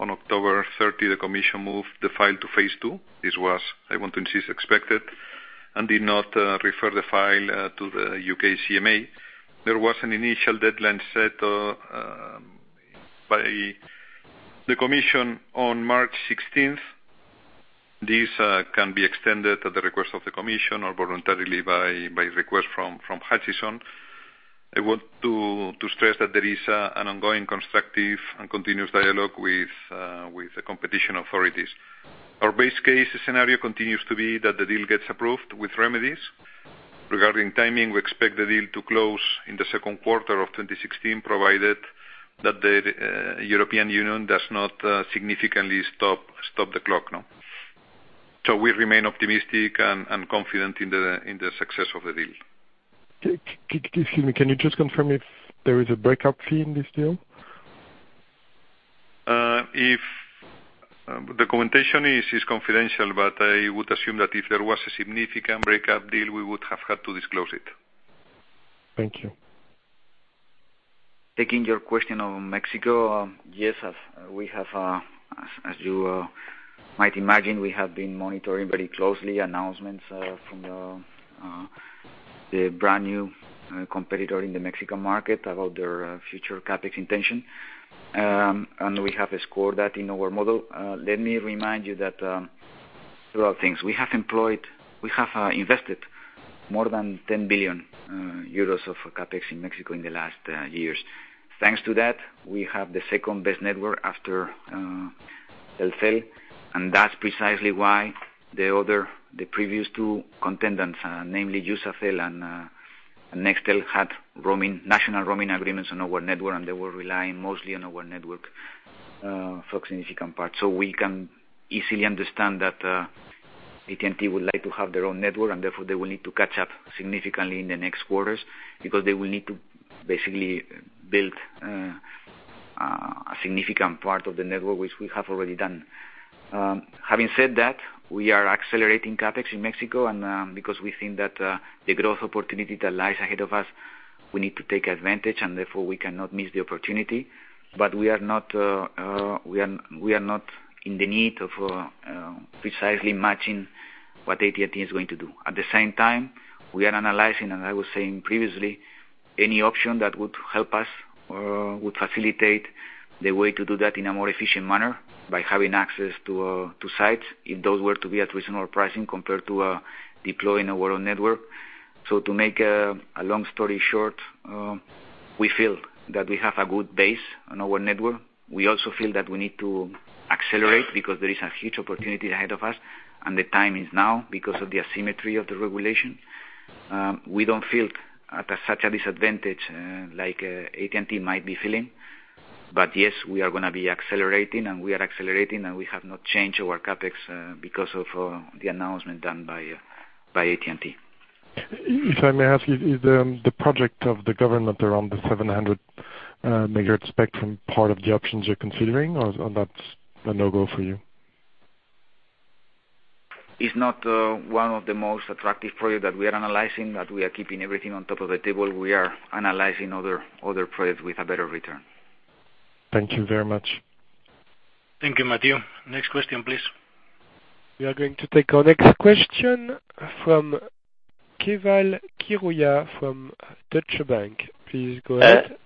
On October 30th, the Commission moved the file to phase 2. This was, I want to insist, expected, did not refer the file to the U.K. CMA. There was an initial deadline set by the Commission on March 16th. This can be extended at the request of the Commission or voluntarily by request from Hutchison. I want to stress that there is an ongoing constructive and continuous dialogue with the competition authorities. Our base case scenario continues to be that the deal gets approved with remedies. Regarding timing, we expect the deal to close in the second quarter of 2016, provided that the European Union does not significantly stop the clock. We remain optimistic and confident in the success of the deal. Excuse me, can you just confirm if there is a breakup fee in this deal? The documentation is confidential, I would assume that if there was a significant breakup deal, we would have had to disclose it. Thank you. Taking your question on Mexico. Yes, as you might imagine, we have been monitoring very closely announcements from the brand new competitor in the Mexican market about their future CapEx intention. We have scored that in our model. Let me remind you that throughout things, we have invested More than 10 billion euros of CapEx in Mexico in the last years. Thanks to that, we have the second-best network after Telcel, and that's precisely why the previous two contenders, namely Iusacell and Nextel, had national roaming agreements on our network, and they were relying mostly on our network for a significant part. We can easily understand that AT&T would like to have their own network, and therefore they will need to catch up significantly in the next quarters, because they will need to basically build a significant part of the network, which we have already done. Having said that, we are accelerating CapEx in Mexico. Because we think that the growth opportunity that lies ahead of us, we need to take advantage, and therefore we cannot miss the opportunity. We are not in the need of precisely matching what AT&T is going to do. At the same time, we are analyzing, as I was saying previously, any option that would help us, would facilitate the way to do that in a more efficient manner by having access to sites, if those were to be at reasonable pricing compared to deploying our own network. To make a long story short, we feel that we have a good base on our network. We also feel that we need to accelerate, because there is a huge opportunity ahead of us. The time is now, because of the asymmetry of the regulation. We don't feel at such a disadvantage like AT&T might be feeling. Yes, we are going to be accelerating. We are accelerating. We have not changed our CapEx because of the announcement done by AT&T. If I may ask, is the project of the government around the 700 MHz spectrum part of the options you're considering, or that's a no-go for you? It's not one of the most attractive projects that we are analyzing, that we are keeping everything on top of the table. We are analyzing other projects with a better return. Thank you very much. Thank you, Mathieu. Next question, please. We are going to take our next question from Keval Khiroya from Deutsche Bank. Please go ahead.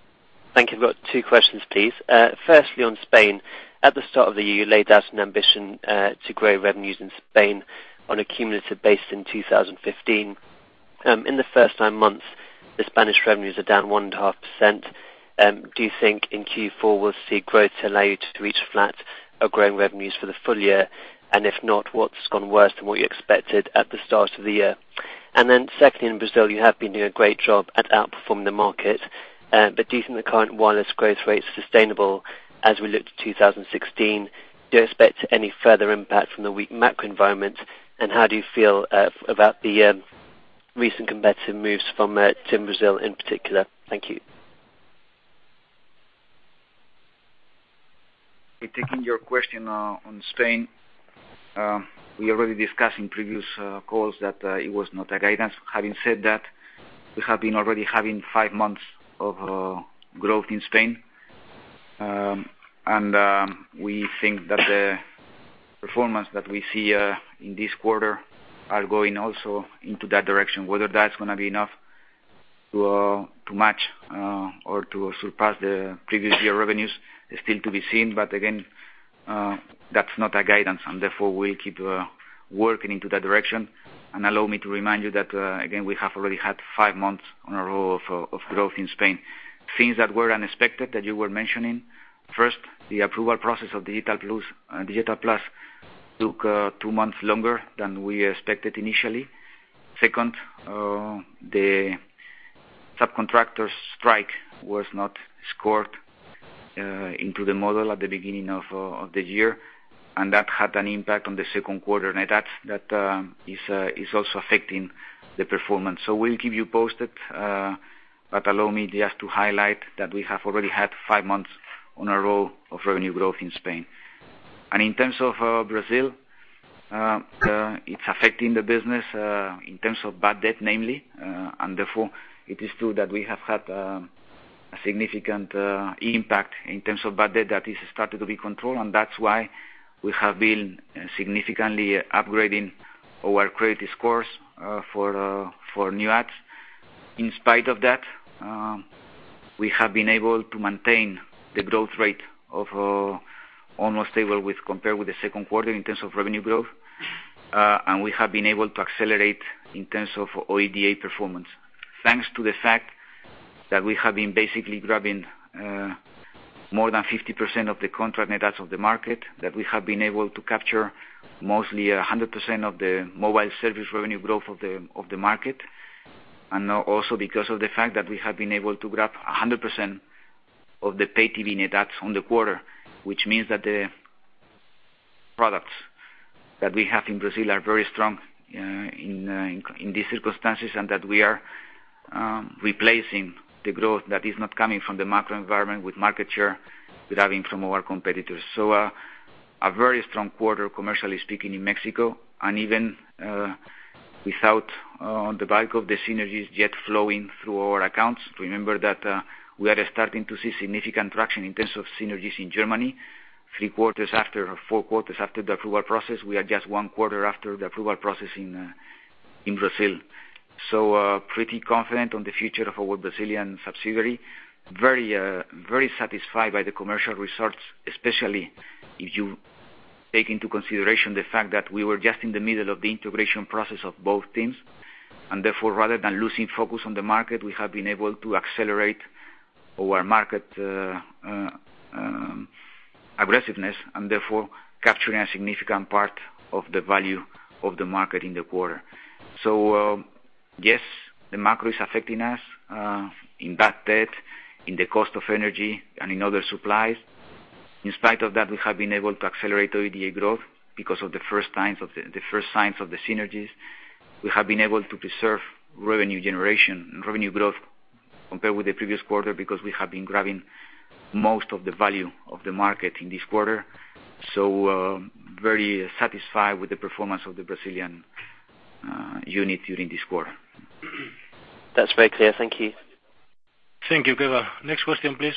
Thank you. I've got two questions, please. Firstly, on Spain. At the start of the year, you laid out an ambition to grow revenues in Spain on a cumulative basis in 2015. In the first nine months, the Spanish revenues are down 1.5%. Do you think in Q4 we'll see growth allow you to reach flat or growing revenues for the full year? If not, what's gone worse than what you expected at the start of the year? Secondly, in Brazil, you have been doing a great job at outperforming the market. Do you think the current wireless growth rate is sustainable as we look to 2016? Do you expect any further impact from the weak macro environment? How do you feel about the recent competitive moves from TIM Brasil in particular? Thank you. Taking your question on Spain. We already discussed in previous calls that it was not a guidance. Having said that, we have been already having five months of growth in Spain. We think that the performance that we see in this quarter are going also into that direction. Whether that's going to be enough to match or to surpass the previous year revenues is still to be seen. Again, that's not a guidance, therefore, we'll keep working into that direction. Allow me to remind you that, again, we have already had five months on a row of growth in Spain. Things that were unexpected that you were mentioning. First, the approval process of Digital+ took two months longer than we expected initially. Second, the subcontractor strike was not scored into the model at the beginning of the year. That had an impact on the second quarter. Net adds, that is also affecting the performance. We'll keep you posted, but allow me just to highlight that we have already had five months on a row of revenue growth in Spain. In terms of Brazil, it's affecting the business in terms of bad debt namely. Therefore, it is true that we have had a significant impact in terms of bad debt that is starting to be controlled, and that's why we have been significantly upgrading our credit scores for new adds. In spite of that, we have been able to maintain the growth rate of almost stable compared with the second quarter in terms of revenue growth. We have been able to accelerate in terms of OIBDA performance, thanks to the fact that we have been basically grabbing more than 50% of the contract net adds of the market, that we have been able to capture mostly 100% of the mobile service revenue growth of the market. Also because of the fact that we have been able to grab 100% of the pay TV net adds on the quarter. Which means that the products that we have in Brazil are very strong in these circumstances, and that we are replacing the growth that is not coming from the macro environment with market share, grabbing from our competitors. A very strong quarter commercially speaking in Mexico, even without the bulk of the synergies yet flowing through our accounts. Remember that we are starting to see significant traction in terms of synergies in Germany. 4 quarters after the approval process, we are just one quarter after the approval process in Brazil. Pretty confident on the future of our Brazilian subsidiary. Very satisfied by the commercial results, especially if you take into consideration the fact that we were just in the middle of the integration process of both teams. Therefore, rather than losing focus on the market, we have been able to accelerate our market aggressiveness and therefore capturing a significant part of the value of the market in the quarter. Yes, the macro is affecting us in bad debt, in the cost of energy, and in other supplies. In spite of that, we have been able to accelerate our EBITDA growth because of the first signs of the synergies. We have been able to preserve revenue generation, revenue growth compared with the previous quarter, because we have been grabbing most of the value of the market in this quarter. Very satisfied with the performance of the Brazilian unit during this quarter. That's very clear. Thank you. Thank you, Keval. Next question, please.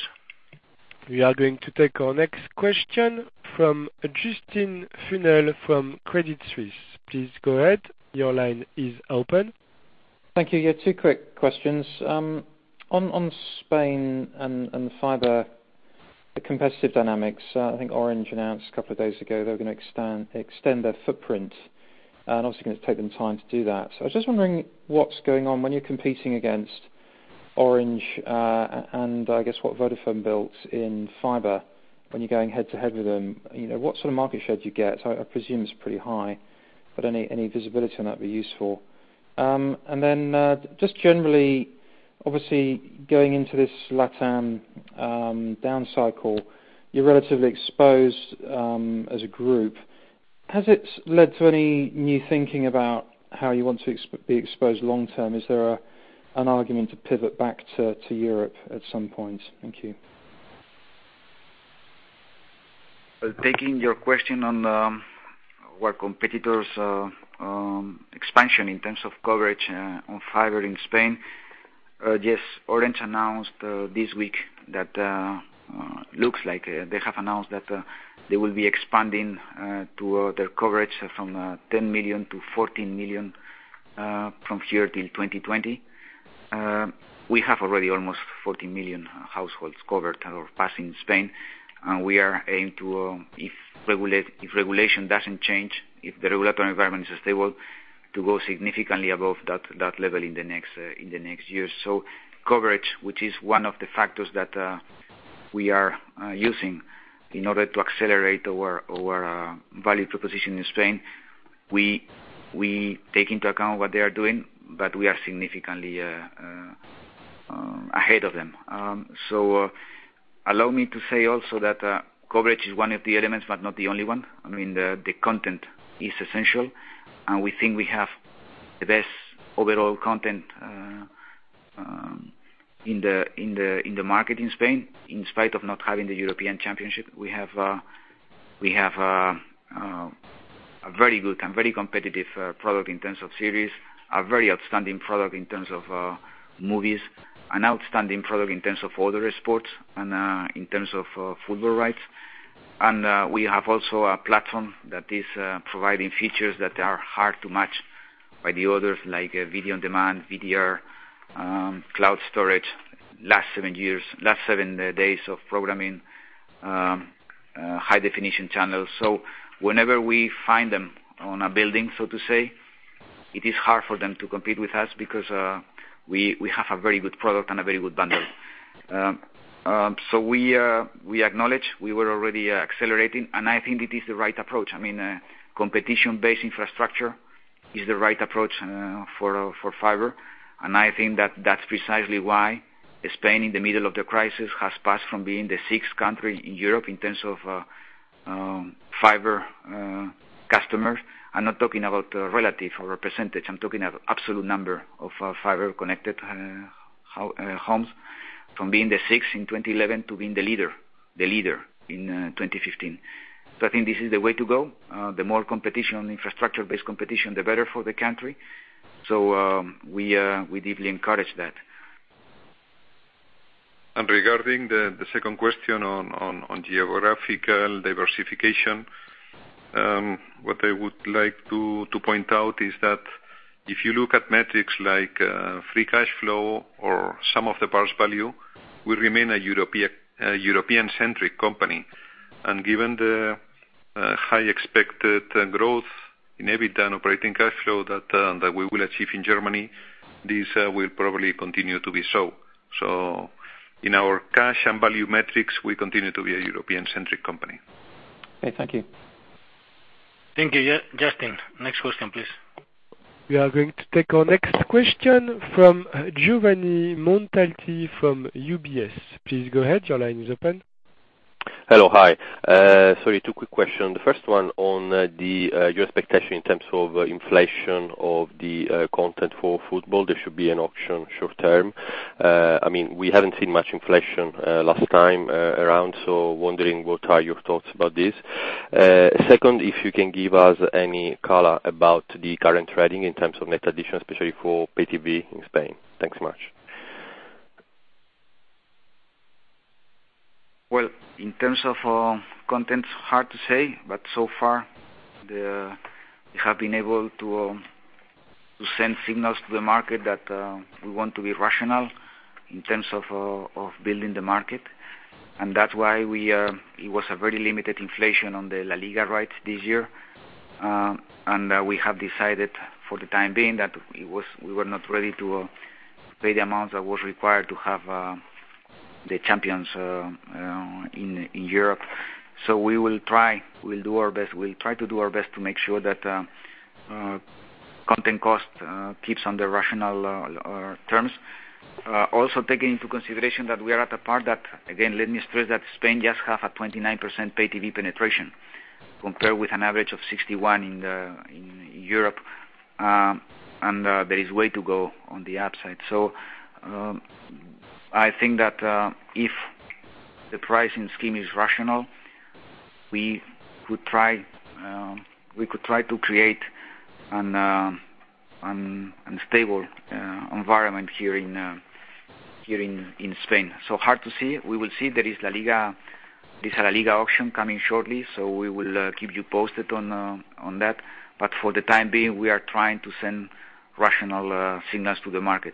We are going to take our next question from Justin Funnell from Credit Suisse. Please go ahead. Your line is open. Thank you. Yeah, two quick questions. On Spain and fiber, the competitive dynamics, I think Orange announced a couple of days ago they were going to extend their footprint. Obviously, it's going to take them time to do that. I was just wondering what's going on when you're competing against Orange, and I guess what Vodafone built in fiber, when you're going head to head with them, what sort of market share do you get? I presume it's pretty high, but any visibility on that'd be useful. Then, just generally, obviously going into this LatAm down cycle, you're relatively exposed, as a group. Has it led to any new thinking about how you want to be exposed long term? Is there an argument to pivot back to Europe at some point? Thank you. Taking your question on our competitors expansion in terms of coverage on fiber in Spain. Yes, Orange announced this week that looks like they have announced that they will be expanding to other coverage from 10 million to 14 million, from here till 2020. We have already almost 14 million households covered or passing Spain. We are aimed to, if regulation doesn't change, if the regulatory environment is stable, to go significantly above that level in the next year. Coverage, which is one of the factors that we are using in order to accelerate our value proposition in Spain. We take into account what they are doing, but we are significantly ahead of them. Allow me to say also that coverage is one of the elements, but not the only one. I mean, the content is essential. We think we have the best overall content in the market in Spain. In spite of not having the European Championship, we have a very good and very competitive product in terms of series, a very outstanding product in terms of movies, an outstanding product in terms of other sports and in terms of football rights. We have also a platform that is providing features that are hard to match by the others, like video on demand, DVR, cloud storage, last seven days of programming, high definition channels. Whenever we find them on a building, so to say, it is hard for them to compete with us because we have a very good product and a very good bundle. We acknowledge we were already accelerating, and I think it is the right approach. Competition-based infrastructure is the right approach for fiber. I think that's precisely why Spain, in the middle of the crisis, has passed from being the sixth country in Europe in terms of fiber customers. I'm not talking about relative or percentage. I'm talking absolute number of fiber connected homes from being the sixth in 2011 to being the leader in 2015. I think this is the way to go. The more competition on infrastructure-based competition, the better for the country. We deeply encourage that. Regarding the second question on geographical diversification, what I would like to point out is that if you look at metrics like free cash flow or sum of the parts value, we remain a European-centric company. Given the high expected growth in EBITDA and operating cash flow that we will achieve in Germany, this will probably continue to be so. In our cash and value metrics, we continue to be a European-centric company. Okay. Thank you. Thank you, Justin. Next question, please. We are going to take our next question from Giovanni Montalti from UBS. Please go ahead. Your line is open. Hello. Hi. Sorry, two quick questions. The first one on your expectation in terms of inflation of the content for football. There should be an auction short term. We haven't seen much inflation last time around. Wondering what are your thoughts about this. Second, if you can give us any color about the current trading in terms of net addition, especially for Pay TV in Spain. Thanks so much. Well, in terms of content, hard to say, but so far, we have been able to send signals to the market that we want to be rational in terms of building the market. That's why it was a very limited inflation on the LaLiga rights this year. We have decided for the time being that we were not ready to pay the amount that was required to have the champions in Europe. We will try to do our best to make sure that content cost keeps under rational terms. Also taking into consideration that we are at a part that, again, let me stress that Spain just have a 29% Pay TV penetration, compared with an average of 61 in Europe. There is way to go on the upside. I think that if the pricing scheme is rational, we could try to create a stable environment here in Spain. Hard to see. We will see there is a LaLiga auction coming shortly, we will keep you posted on that. For the time being, we are trying to send rational signals to the market.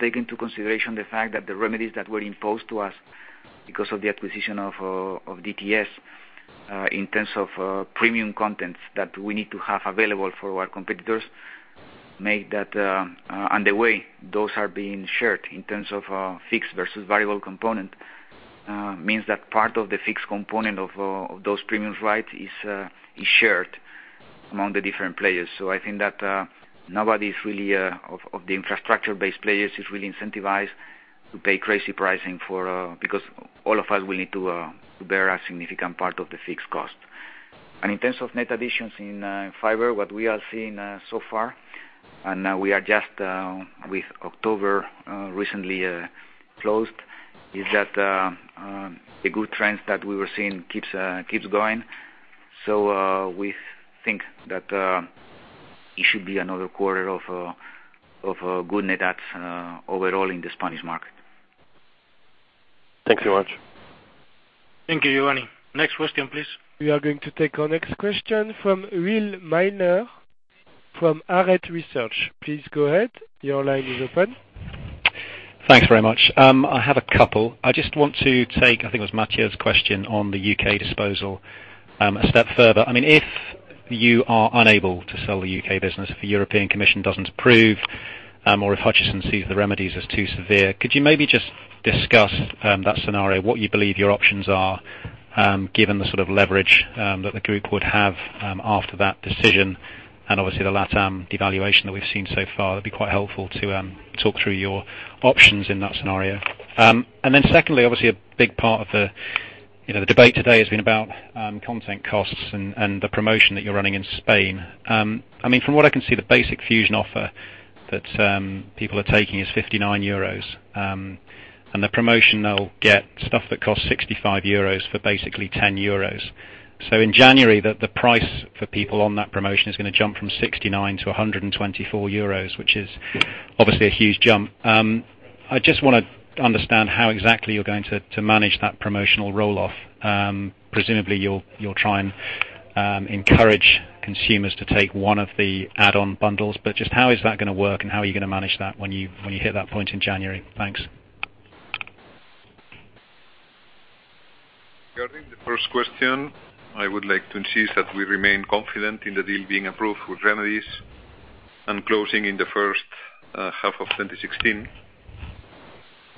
Take into consideration the fact that the remedies that were imposed to us because of the acquisition of DTS in terms of premium contents that we need to have available for our competitors, and the way those are being shared in terms of fixed versus variable component, means that part of the fixed component of those premiums right is shared among the different players. I think that nobody of the infrastructure-based players is really incentivized to pay crazy pricing because all of us will need to bear a significant part of the fixed cost. In terms of net additions in fiber, what we are seeing so far, and now we are just with October recently closed, is that the good trends that we were seeing keeps going. We think that it should be another quarter of good net adds overall in the Spanish market. Thanks so much. Thank you, Giovanni. Next question, please. We are going to take our next question from Will Milner from Arete Research. Please go ahead. Your line is open. Thanks very much. I have a couple. I just want to take, I think it was Mathieu's question on the U.K. disposal, a step further. If you are unable to sell the U.K. business, if the European Commission doesn't approve or if Hutchison sees the remedies as too severe, could you maybe just discuss that scenario, what you believe your options are, given the sort of leverage that the group would have after that decision and obviously the LatAm devaluation that we've seen so far? That'd be quite helpful to talk through your options in that scenario. Secondly, obviously a big part of the debate today has been about content costs and the promotion that you're running in Spain. From what I can see, the basic Fusión offer that people are taking is 59 euros. The promotion, they'll get stuff that costs 65 euros for basically 10 euros. In January, the price for people on that promotion is going to jump from 69 to 124 euros, which is obviously a huge jump. I just want to understand how exactly you're going to manage that promotional roll-off. Presumably, you'll try and encourage consumers to take one of the add-on bundles, but just how is that going to work and how are you going to manage that when you hit that point in January? Thanks. Regarding the first question, I would like to insist that we remain confident in the deal being approved with remedies and closing in the first half of 2016.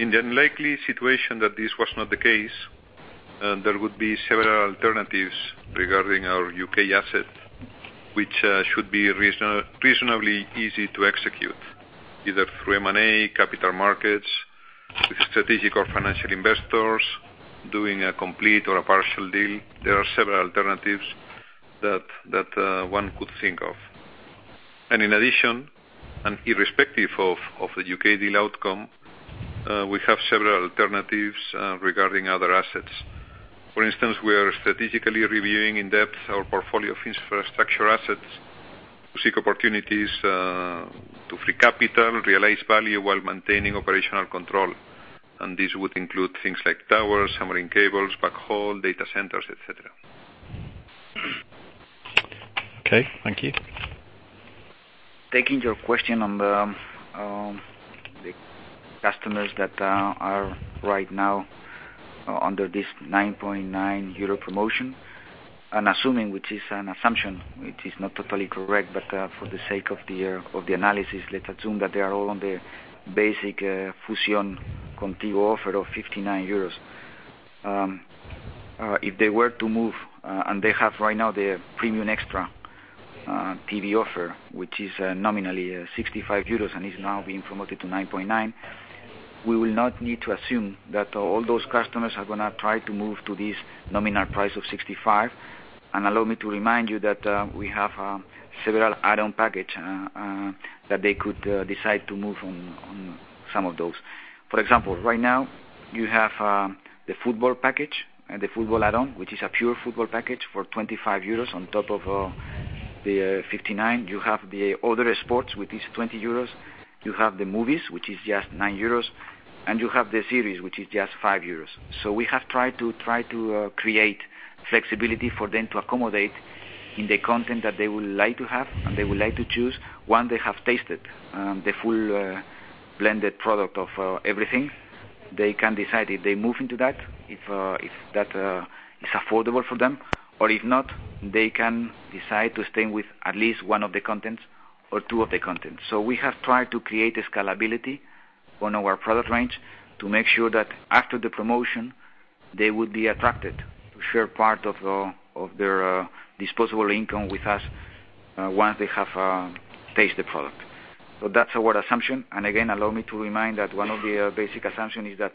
In the unlikely situation that this was not the case, there would be several alternatives regarding our U.K. asset, which should be reasonably easy to execute, either through M&A, capital markets, with strategic or financial investors, doing a complete or a partial deal. There are several alternatives that one could think of. In addition, and irrespective of the U.K. deal outcome, we have several alternatives regarding other assets. For instance, we are strategically reviewing in depth our portfolio of infrastructure assets to seek opportunities to free capital, realize value while maintaining operational control. This would include things like towers, submarine cables, backhaul, data centers, et cetera. Okay. Thank you. Taking your question on the customers that are right now under this 9.9 euro promotion, assuming, which is an assumption which is not totally correct, but for the sake of the analysis, let's assume that they are all on the basic Fusión Contigo offer of 59 euros. If they were to move, they have right now the premium extra TV offer, which is nominally 65 euros and is now being promoted to 9.9, we will not need to assume that all those customers are going to try to move to this nominal price of 65. Allow me to remind you that we have several add-on package that they could decide to move on some of those. For example, right now you have the football package and the football add-on, which is a pure football package for 25 euros on top of the 59. You have the other sports, which is 20 euros. You have the movies, which is just 9 euros. You have the series, which is just five EUR. We have tried to create flexibility for them to accommodate in the content that they would like to have and they would like to choose. Once they have tasted the full blended product of everything, they can decide if they move into that, if that is affordable for them, or if not, they can decide to stay with at least one of the contents or two of the contents. We have tried to create a scalability on our product range to make sure that after the promotion, they would be attracted to share part of their disposable income with us once they have tasted the product. That's our assumption. Again, allow me to remind that one of the basic assumption is that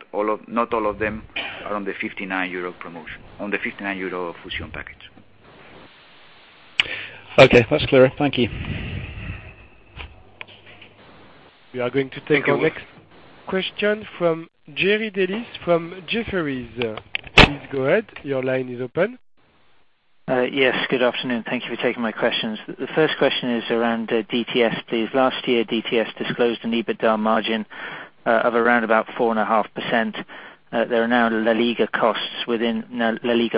not all of them are on the 59 euro promotion, on the 59 euro Fusión package. Okay, that's clearer. Thank you. We are going to take our next question from Jerry Dellis from Jefferies. Please go ahead. Your line is open. Yes, good afternoon. Thank you for taking my questions. The first question is around DTS. Last year, DTS disclosed an EBITDA margin of around about 4.5%. There are now LaLiga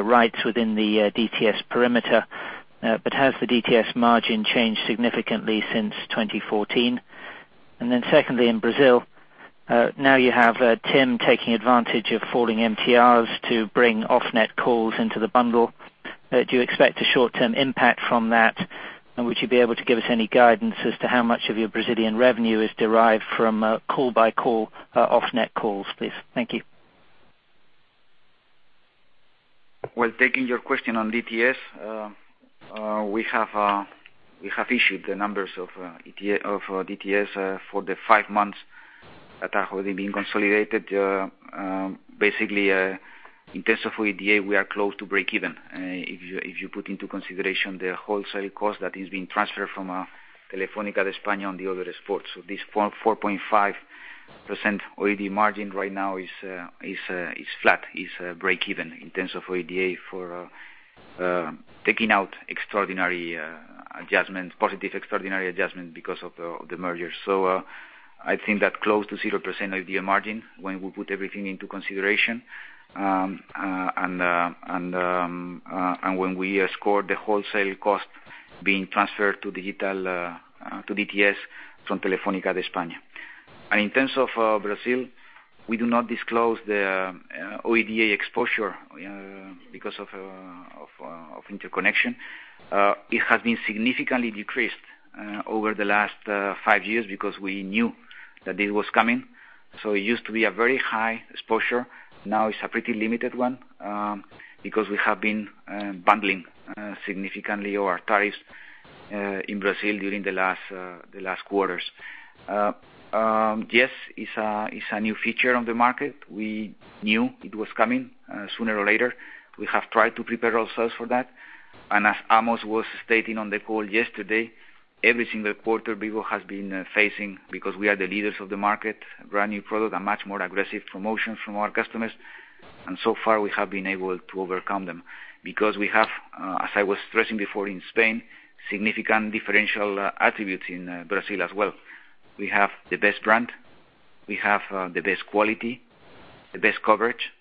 rights within the DTS perimeter. Has the DTS margin changed significantly since 2014? Secondly, in Brazil, now you have TIM taking advantage of falling MTRs to bring off net calls into the bundle. Do you expect a short-term impact from that? And would you be able to give us any guidance as to how much of your Brazilian revenue is derived from call by call off net calls, please? Thank you. Taking your question on DTS. We have issued the numbers of DTS for the five months that are already being consolidated. Basically, in terms of OIBDA, we are close to breakeven. If you put into consideration the wholesale cost that is being transferred from Telefónica de España on the other sports. This 4.5% OIBDA margin right now is flat, is breakeven in terms of OIBDA for taking out positive extraordinary adjustment because of the merger. I think that close to 0% OIBDA margin when we put everything into consideration, and when we score the wholesale cost being transferred to DTS from Telefónica de España. In terms of Brazil, we do not disclose the OIBDA exposure because of interconnection. It has been significantly decreased over the last five years because we knew that it was coming. It used to be a very high exposure. Now it's a pretty limited one, because we have been bundling significantly our tariffs in Brazil during the last quarters. Yes, it's a new feature on the market. We knew it was coming sooner or later. We have tried to prepare ourselves for that. As Amos was stating on the call yesterday, every single quarter Vivo has been facing, because we are the leaders of the market, brand new product, a much more aggressive promotion from our customers. So far, we have been able to overcome them, because we have, as I was stressing before in Spain, significant differential attributes in Brazil as well. We have the best brand. We have the best quality, the best coverage.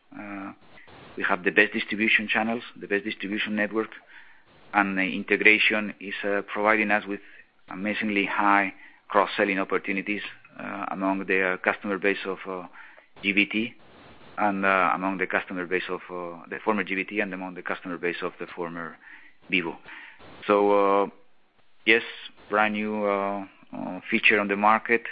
We have the best distribution channels, the best distribution network. The integration is providing us with amazingly high cross-selling opportunities among the customer base of GVT and among the customer base of the former GVT and among the customer base of the former Vivo. Yes, brand new feature on the market,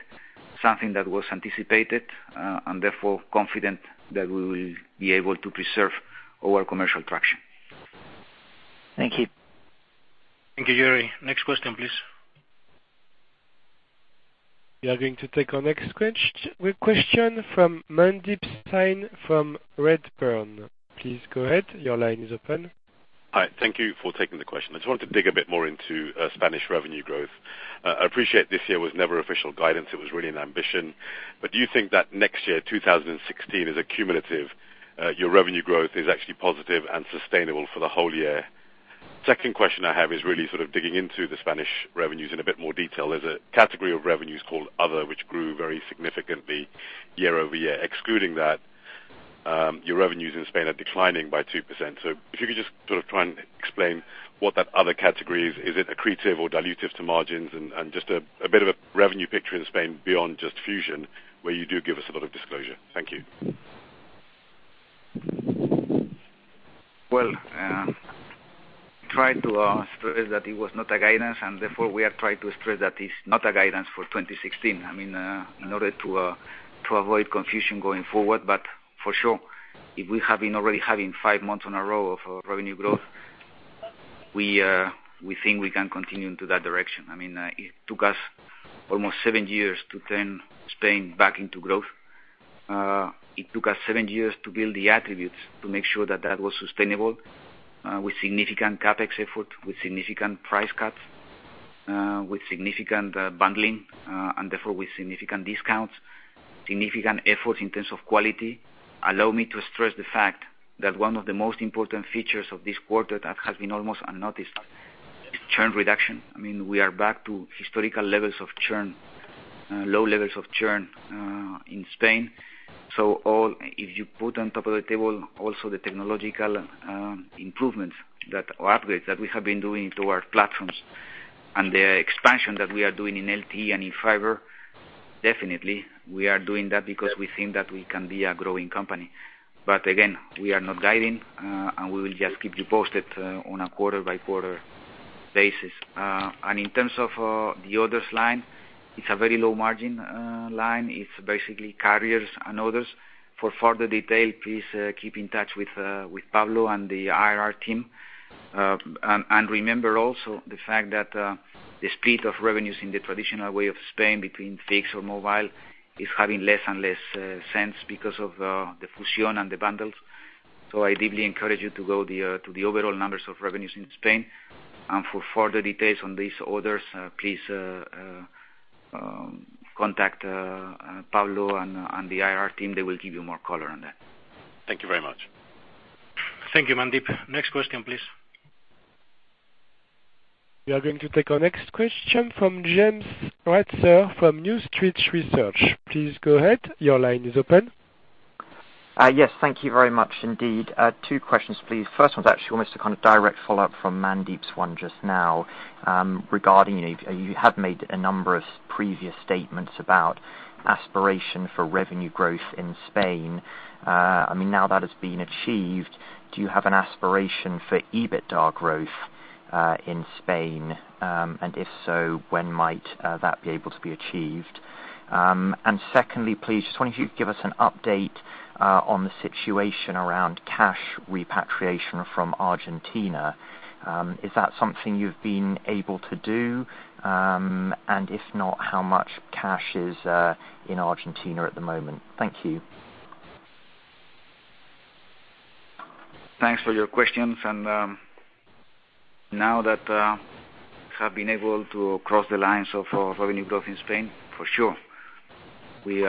something that was anticipated, and therefore confident that we will be able to preserve our commercial traction. Thank you. Thank you, Jerry. Next question, please. We are going to take our next question from Mandeep Singh from Redburn. Please go ahead. Your line is open. Hi. Thank you for taking the question. I just wanted to dig a bit more into Spanish revenue growth. I appreciate this year was never official guidance. It was really an ambition. Do you think that next year, 2016, is a cumulative, your revenue growth is actually positive and sustainable for the whole year? Second question I have is really sort of digging into the Spanish revenues in a bit more detail. There is a category of revenues called other, which grew very significantly year-over-year. Excluding that, your revenues in Spain are declining by 2%. If you could just sort of try and explain what that other category is. Is it accretive or dilutive to margins? And just a bit of a revenue picture in Spain beyond just Fusión, where you do give us a lot of disclosure. Thank you. Well, we tried to stress that it was not a guidance, therefore, we are trying to stress that it is not a guidance for 2016. In order to avoid confusion going forward, for sure, if we have been already having five months in a row of revenue growth, we think we can continue into that direction. It took us almost seven years to turn Spain back into growth. It took us seven years to build the attributes to make sure that that was sustainable, with significant CapEx effort, with significant price cuts, with significant bundling, therefore with significant discounts, significant efforts in terms of quality. Allow me to stress the fact that one of the most important features of this quarter that has been almost unnoticed Churn reduction. We are back to historical levels of churn, low levels of churn in Spain. If you put on top of the table also the technological improvements or upgrades that we have been doing to our platforms and the expansion that we are doing in LTE and in fiber, definitely we are doing that because we think that we can be a growing company. Again, we are not guiding, we will just keep you posted on a quarter-by-quarter basis. In terms of the others line, it is a very low margin line. It is basically carriers and others. For further detail, please keep in touch with Pablo and the IR team. Remember also the fact that the split of revenues in the traditional way of Spain, between fixed or mobile, is having less and less sense because of the Fusión and the bundles. I deeply encourage you to go to the overall numbers of revenues in Spain. For further details on these orders, please contact Pablo and the IR team. They will give you more color on that. Thank you very much. Thank you, Mandeep. Next question, please. We are going to take our next question from James Ratzer from New Street Research. Please go ahead. Your line is open. Yes, thank you very much indeed. Two questions, please. First one's actually almost a direct follow-up from Mandeep's one just now, regarding, you have made a number of previous statements about aspiration for revenue growth in Spain. Now that it's been achieved, do you have an aspiration for EBITDA growth in Spain? If so, when might that be able to be achieved? Secondly, please, just wonder if you'd give us an update on the situation around cash repatriation from Argentina. Is that something you've been able to do? If not, how much cash is in Argentina at the moment? Thank you. Thanks for your questions. Now that have been able to cross the lines of revenue growth in Spain, for sure, we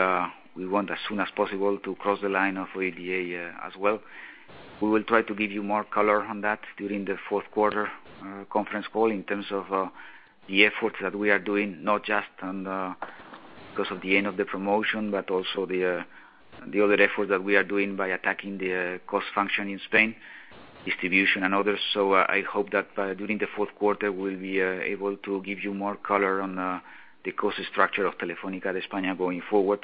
want as soon as possible to cross the line of OIBDA as well. We will try to give you more color on that during the fourth quarter conference call in terms of the efforts that we are doing, not just because of the end of the promotion, but also the other effort that we are doing by attacking the cost function in Spain, distribution, and others. I hope that during the fourth quarter, we will be able to give you more color on the cost structure of Telefónica de España going forward.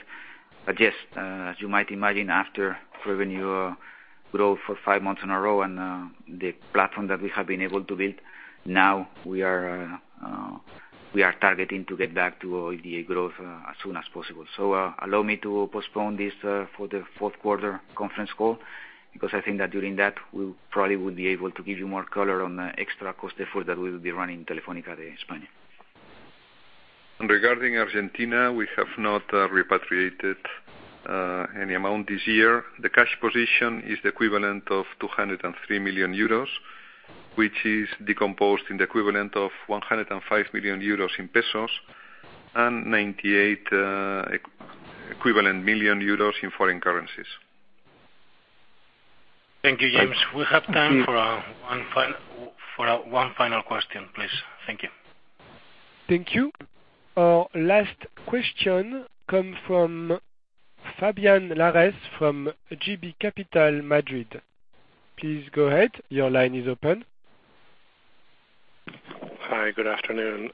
Yes, as you might imagine, after revenue growth for five months in a row and the platform that we have been able to build, now we are targeting to get back to OIBDA growth as soon as possible. Allow me to postpone this for the fourth quarter conference call, because I think that during that, we probably would be able to give you more color on the extra cost effort that we will be running in Telefónica de España. Regarding Argentina, we have not repatriated any amount this year. The cash position is the equivalent of 203 million euros, which is decomposed in the equivalent of 105 million euros in pesos and 98 equivalent million EUR in foreign currencies. Thank you, James. We have time for one final question, please. Thank you. Thank you. Our last question come from Fabián Lares from JB Capital, Madrid. Please go ahead. Your line is open. Hi, good afternoon.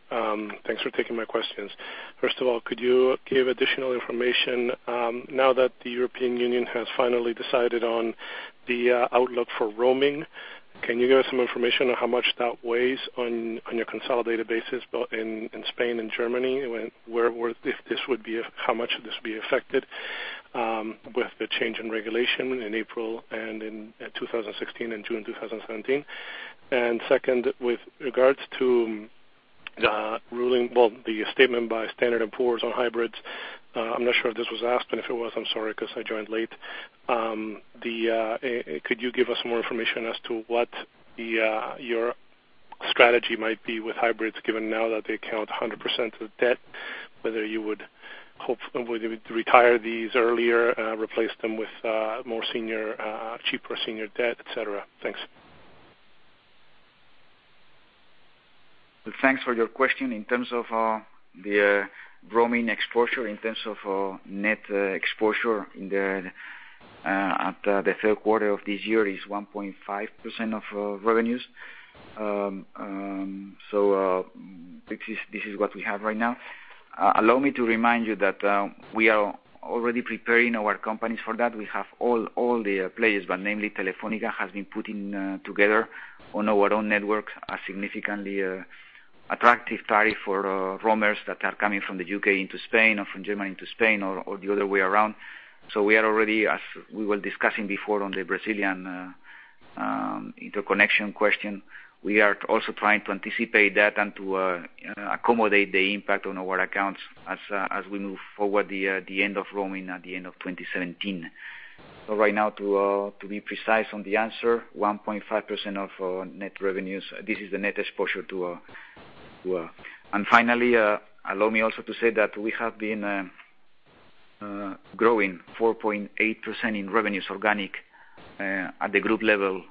Thanks for taking my questions. First of all, could you give additional information now that the European Union has finally decided on the outlook for roaming? Can you give us some information on how much that weighs on your consolidated basis both in Spain and Germany? How much would this be affected with the change in regulation in April and in 2016 and June 2017? Second, with regards to the statement by Standard & Poor's on hybrids, I am not sure if this was asked, and if it was, I am sorry because I joined late. Could you give us more information as to what your strategy might be with hybrids, given now that they count 100% of the debt, whether you would retire these earlier, replace them with cheaper senior debt, et cetera? Thanks. Thanks for your question. In terms of the roaming exposure, in terms of net exposure at the third quarter of this year is 1.5% of revenues. This is what we have right now. Allow me to remind you that we are already preparing our companies for that. We have all the players, but namely Telefónica, has been putting together on our own networks a significantly attractive tariff for roamers that are coming from the U.K. into Spain or from Germany into Spain or the other way around. We are already, as we were discussing before on the Brazilian interconnection question, we are also trying to anticipate that and to accommodate the impact on our accounts as we move forward the end of roaming at the end of 2017. Right now, to be precise on the answer, 1.5% of net revenues, this is the net exposure to Finally, allow me also to say that we have been growing 4.8% in revenues organic at the group level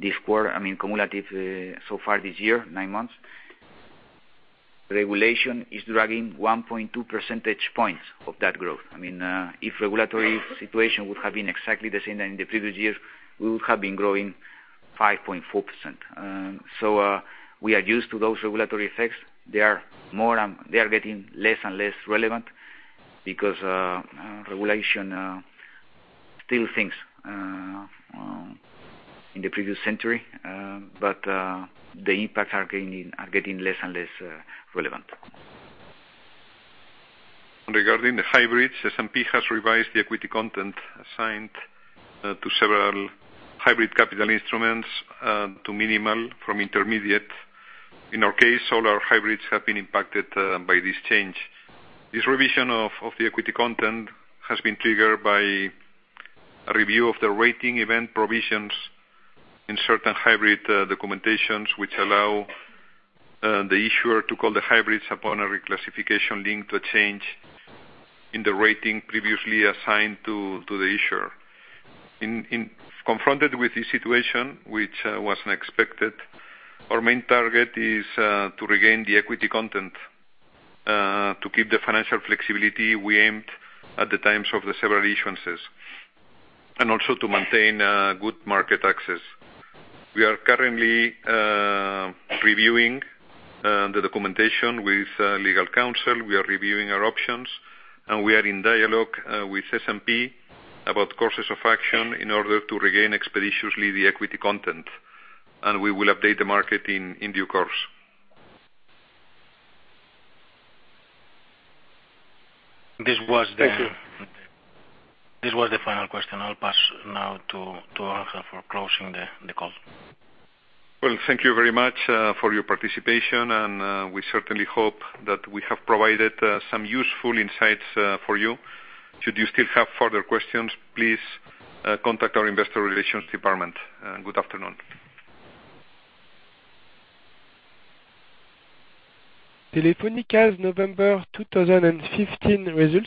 this quarter, cumulative so far this year, nine months. Regulation is dragging 1.2 percentage points of that growth. If regulatory situation would have been exactly the same as in the previous years, we would have been growing 5.4%. We are used to those regulatory effects. They are getting less and less relevant because regulation still thinks in the previous century, but the impacts are getting less and less relevant. Regarding the hybrids, S&P has revised the equity content assigned to several hybrid capital instruments to minimal from intermediate. In our case, all our hybrids have been impacted by this change. This revision of the equity content has been triggered by a review of the rating event provisions in certain hybrid documentations, which allow the issuer to call the hybrids upon a reclassification linked to a change in the rating previously assigned to the issuer. Confronted with this situation, which wasn't expected, our main target is to regain the equity content, to keep the financial flexibility we aimed at the times of the several issuances, and also to maintain good market access. We are currently reviewing the documentation with legal counsel. We are reviewing our options, and we are in dialogue with S&P about courses of action in order to regain expeditiously the equity content. We will update the market in due course. This was the- Thank you. This was the final question. I'll pass now to Ángel for closing the call. Well, thank you very much for your participation, and we certainly hope that we have provided some useful insights for you. Should you still have further questions, please contact our investor relations department. Good afternoon. Telefónica's November 2015 results